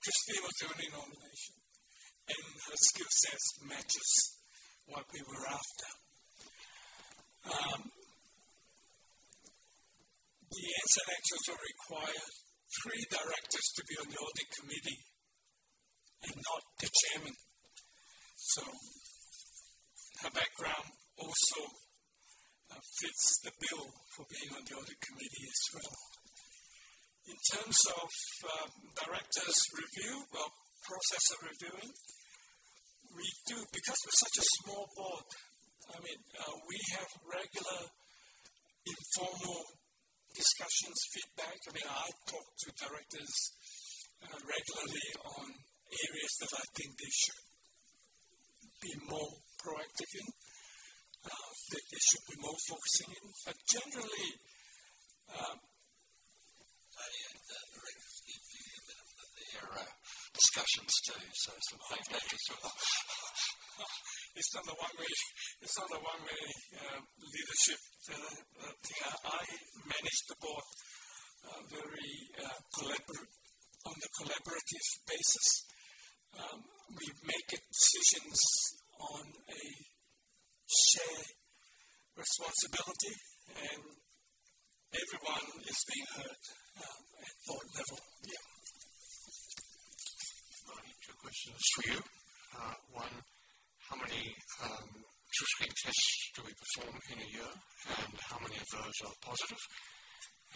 Christine Pairs was the only nomination, and her skill sets match what we were after. The NZX also required three directors to be on the audit committee and not the Chairman. Her background also fits the bill for being on the audit committee as well. In terms of directors' review or process of reviewing, we do, because we're such a small board, have regular informal discussions and feedback. I talk to directors regularly on areas that I think they should be more proactive in, that they should be more focusing in. Generally. Tony and directors give you the benefit of their discussions too, so some feedback as well. It's not the one-way leadership thing. I manage the board on a collaborative basis. We make decisions on a shared responsibility, and everyone is being heard at board level. Marty, two questions for you. One, how many TruScreen tests do we perform in a year, and how many of those are positive?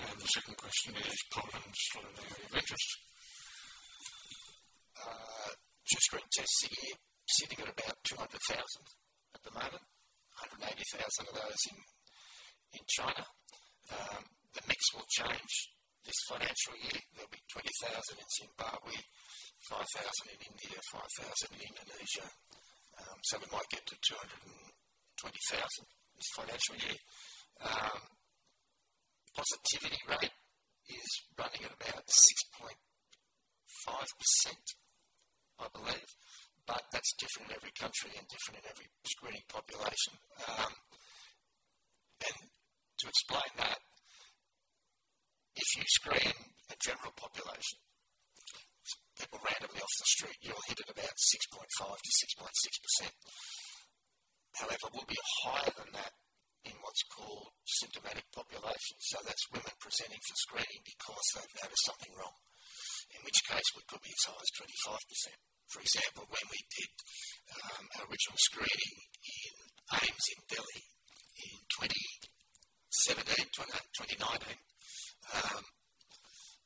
The second question is Poland's not an area of interest. TruScreen tests a year sitting at about 200,000 at the moment, 180,000 of those in China. The mix will change this financial year. There'll be 20,000 in Zimbabwe, 5,000 in India, 5,000 in Indonesia. We might get to 220,000 this financial year. Positivity rate is running at about 6.5%, I believe. That's different in every country and different in every screening population. To explain that, if you screen a general population, people randomly off the street, you'll hit at about 6.5%-6.6%. However, we'll be higher than that in what's called symptomatic population. That's women presenting for screening because they've noticed something wrong, in which case we could be as high as 25%. For example, when we did our original screening in AIMS in Delhi in 2017, 2019,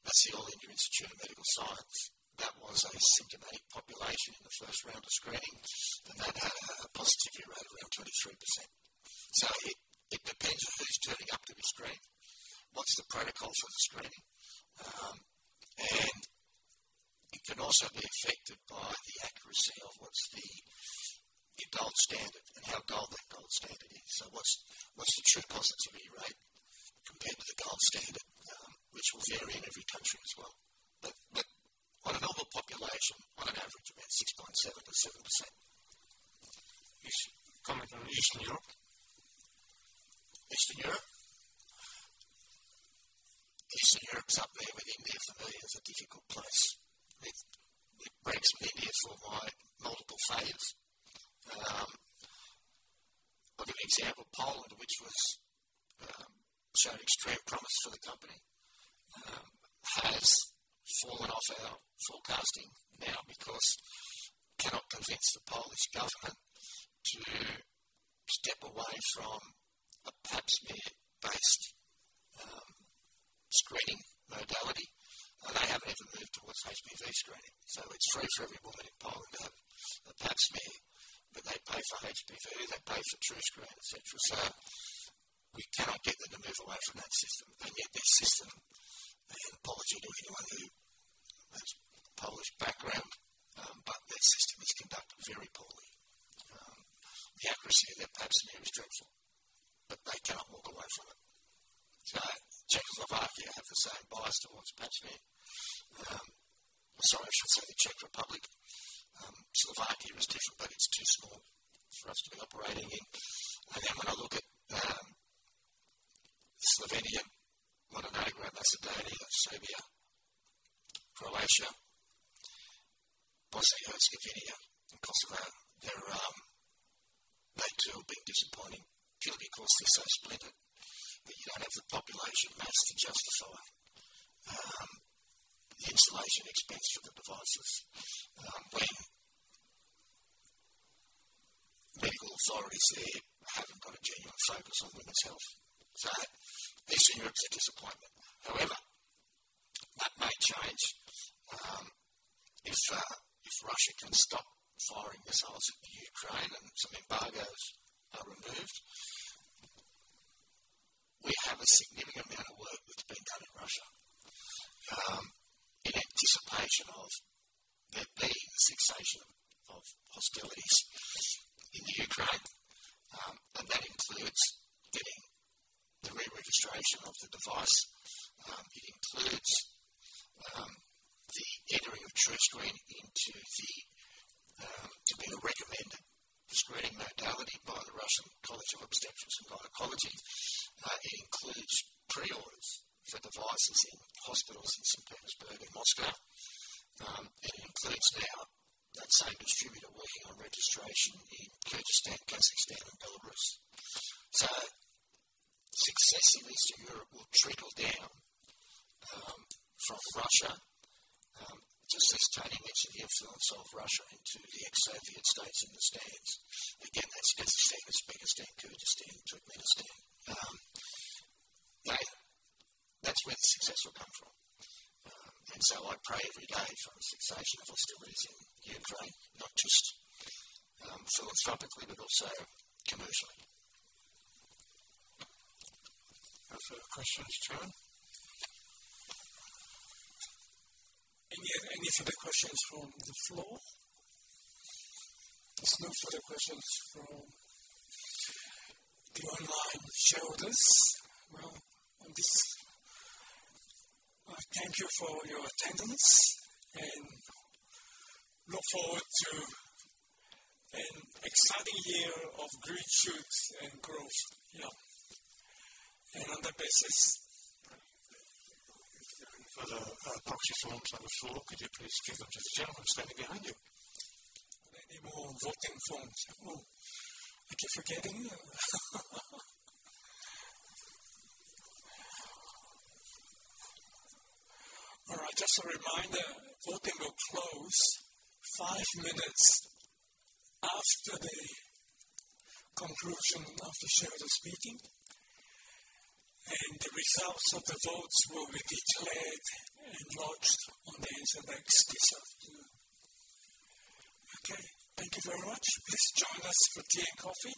that's the All-India Institute of Medical Science. That was a symptomatic population in the first round of screening, and that had a positivity rate of around 23%. It depends on who's turning up to be screened, what's the protocol for the screening. It can also be affected by the accuracy of what's the gold standard and how gold that gold standard is. What's the true positivity rate compared to the gold standard, which will vary in every country as well. On a normal population, on an average, about 6.7%-7%. You comment on Eastern Europe? Eastern Europe? Eastern Europe's up there with India for me as a difficult place. It ranks with India for my multiple failures. I'll give you an example. Poland, which showed extreme promise for the company, has fallen off our forecasting now because we cannot convince the Polish government to step away from a pap smear-based screening modality. They haven't even moved towards HPV screening. It's free for every woman in Poland to have a pap smear, but they pay for HPV, they pay for TruScreen, etc. We cannot get them to move away from that system. Yet their system, and apology to anyone who has a Polish background, but their system is conducted very poorly. The accuracy of their pap smear is dreadful, but they cannot walk away from it. Czechoslovakia has the same bias towards pap smear. Sorry, I should say the Czech Republic. Slovakia is different, but it's too small for us to be operating in. When I look at Slovenia, Montenegro, Macedonia, Serbia, Croatia, Bosnia and Herzegovina, and Kosovo, they too have been disappointing purely because they're so splintered that you don't have the population mass to justify the installation expense for the devices when medical authorities there haven't got a genuine focus on women's health. Eastern Europe's a disappointment. However, that may change. If Russia can stop firing missiles at Ukraine and some embargoes are removed, we have a significant amount of work that's been done in Russia in anticipation of there being a cessation of hostilities in Ukraine. That includes getting the re-registration of the device. It includes the entering of TruScreen into the to be a recommended screening modality by the Russian College of Obstetrics and Gynecology. It includes pre-orders for devices in hospitals in Saint Petersburg and Moscow. It includes now that same distributor working on registration in Kyrgyzstan, Kazakhstan, and Belarus. Success in Eastern Europe will trickle down from Russia, just as Tony mentioned, the influence of Russia into the ex-Soviet states in the stands. Again, that's Kazakhstan, Uzbekistan, Kyrgyzstan, Turkmenistan. That's where the success will come from. I pray every day for a cessation of hostilities in Ukraine, not just philanthropically, but also commercially. Are there questions, Chairman? Any further questions from the floor? There's no further questions from the online shareholders. I thank you for your attendance and look forward to an exciting year of great shoots and growth. Yeah. On that basis. Tony, if there are any further proxy forms on the floor, could you please give them to the gentleman standing behind you? Are there any more voting forms? I keep forgetting it. All right. Just a reminder, voting will close five minutes after the conclusion of the shareholders' meeting. The results of the votes will be declared and lodged on the NZX this afternoon. Thank you very much. Please join us for tea and coffee.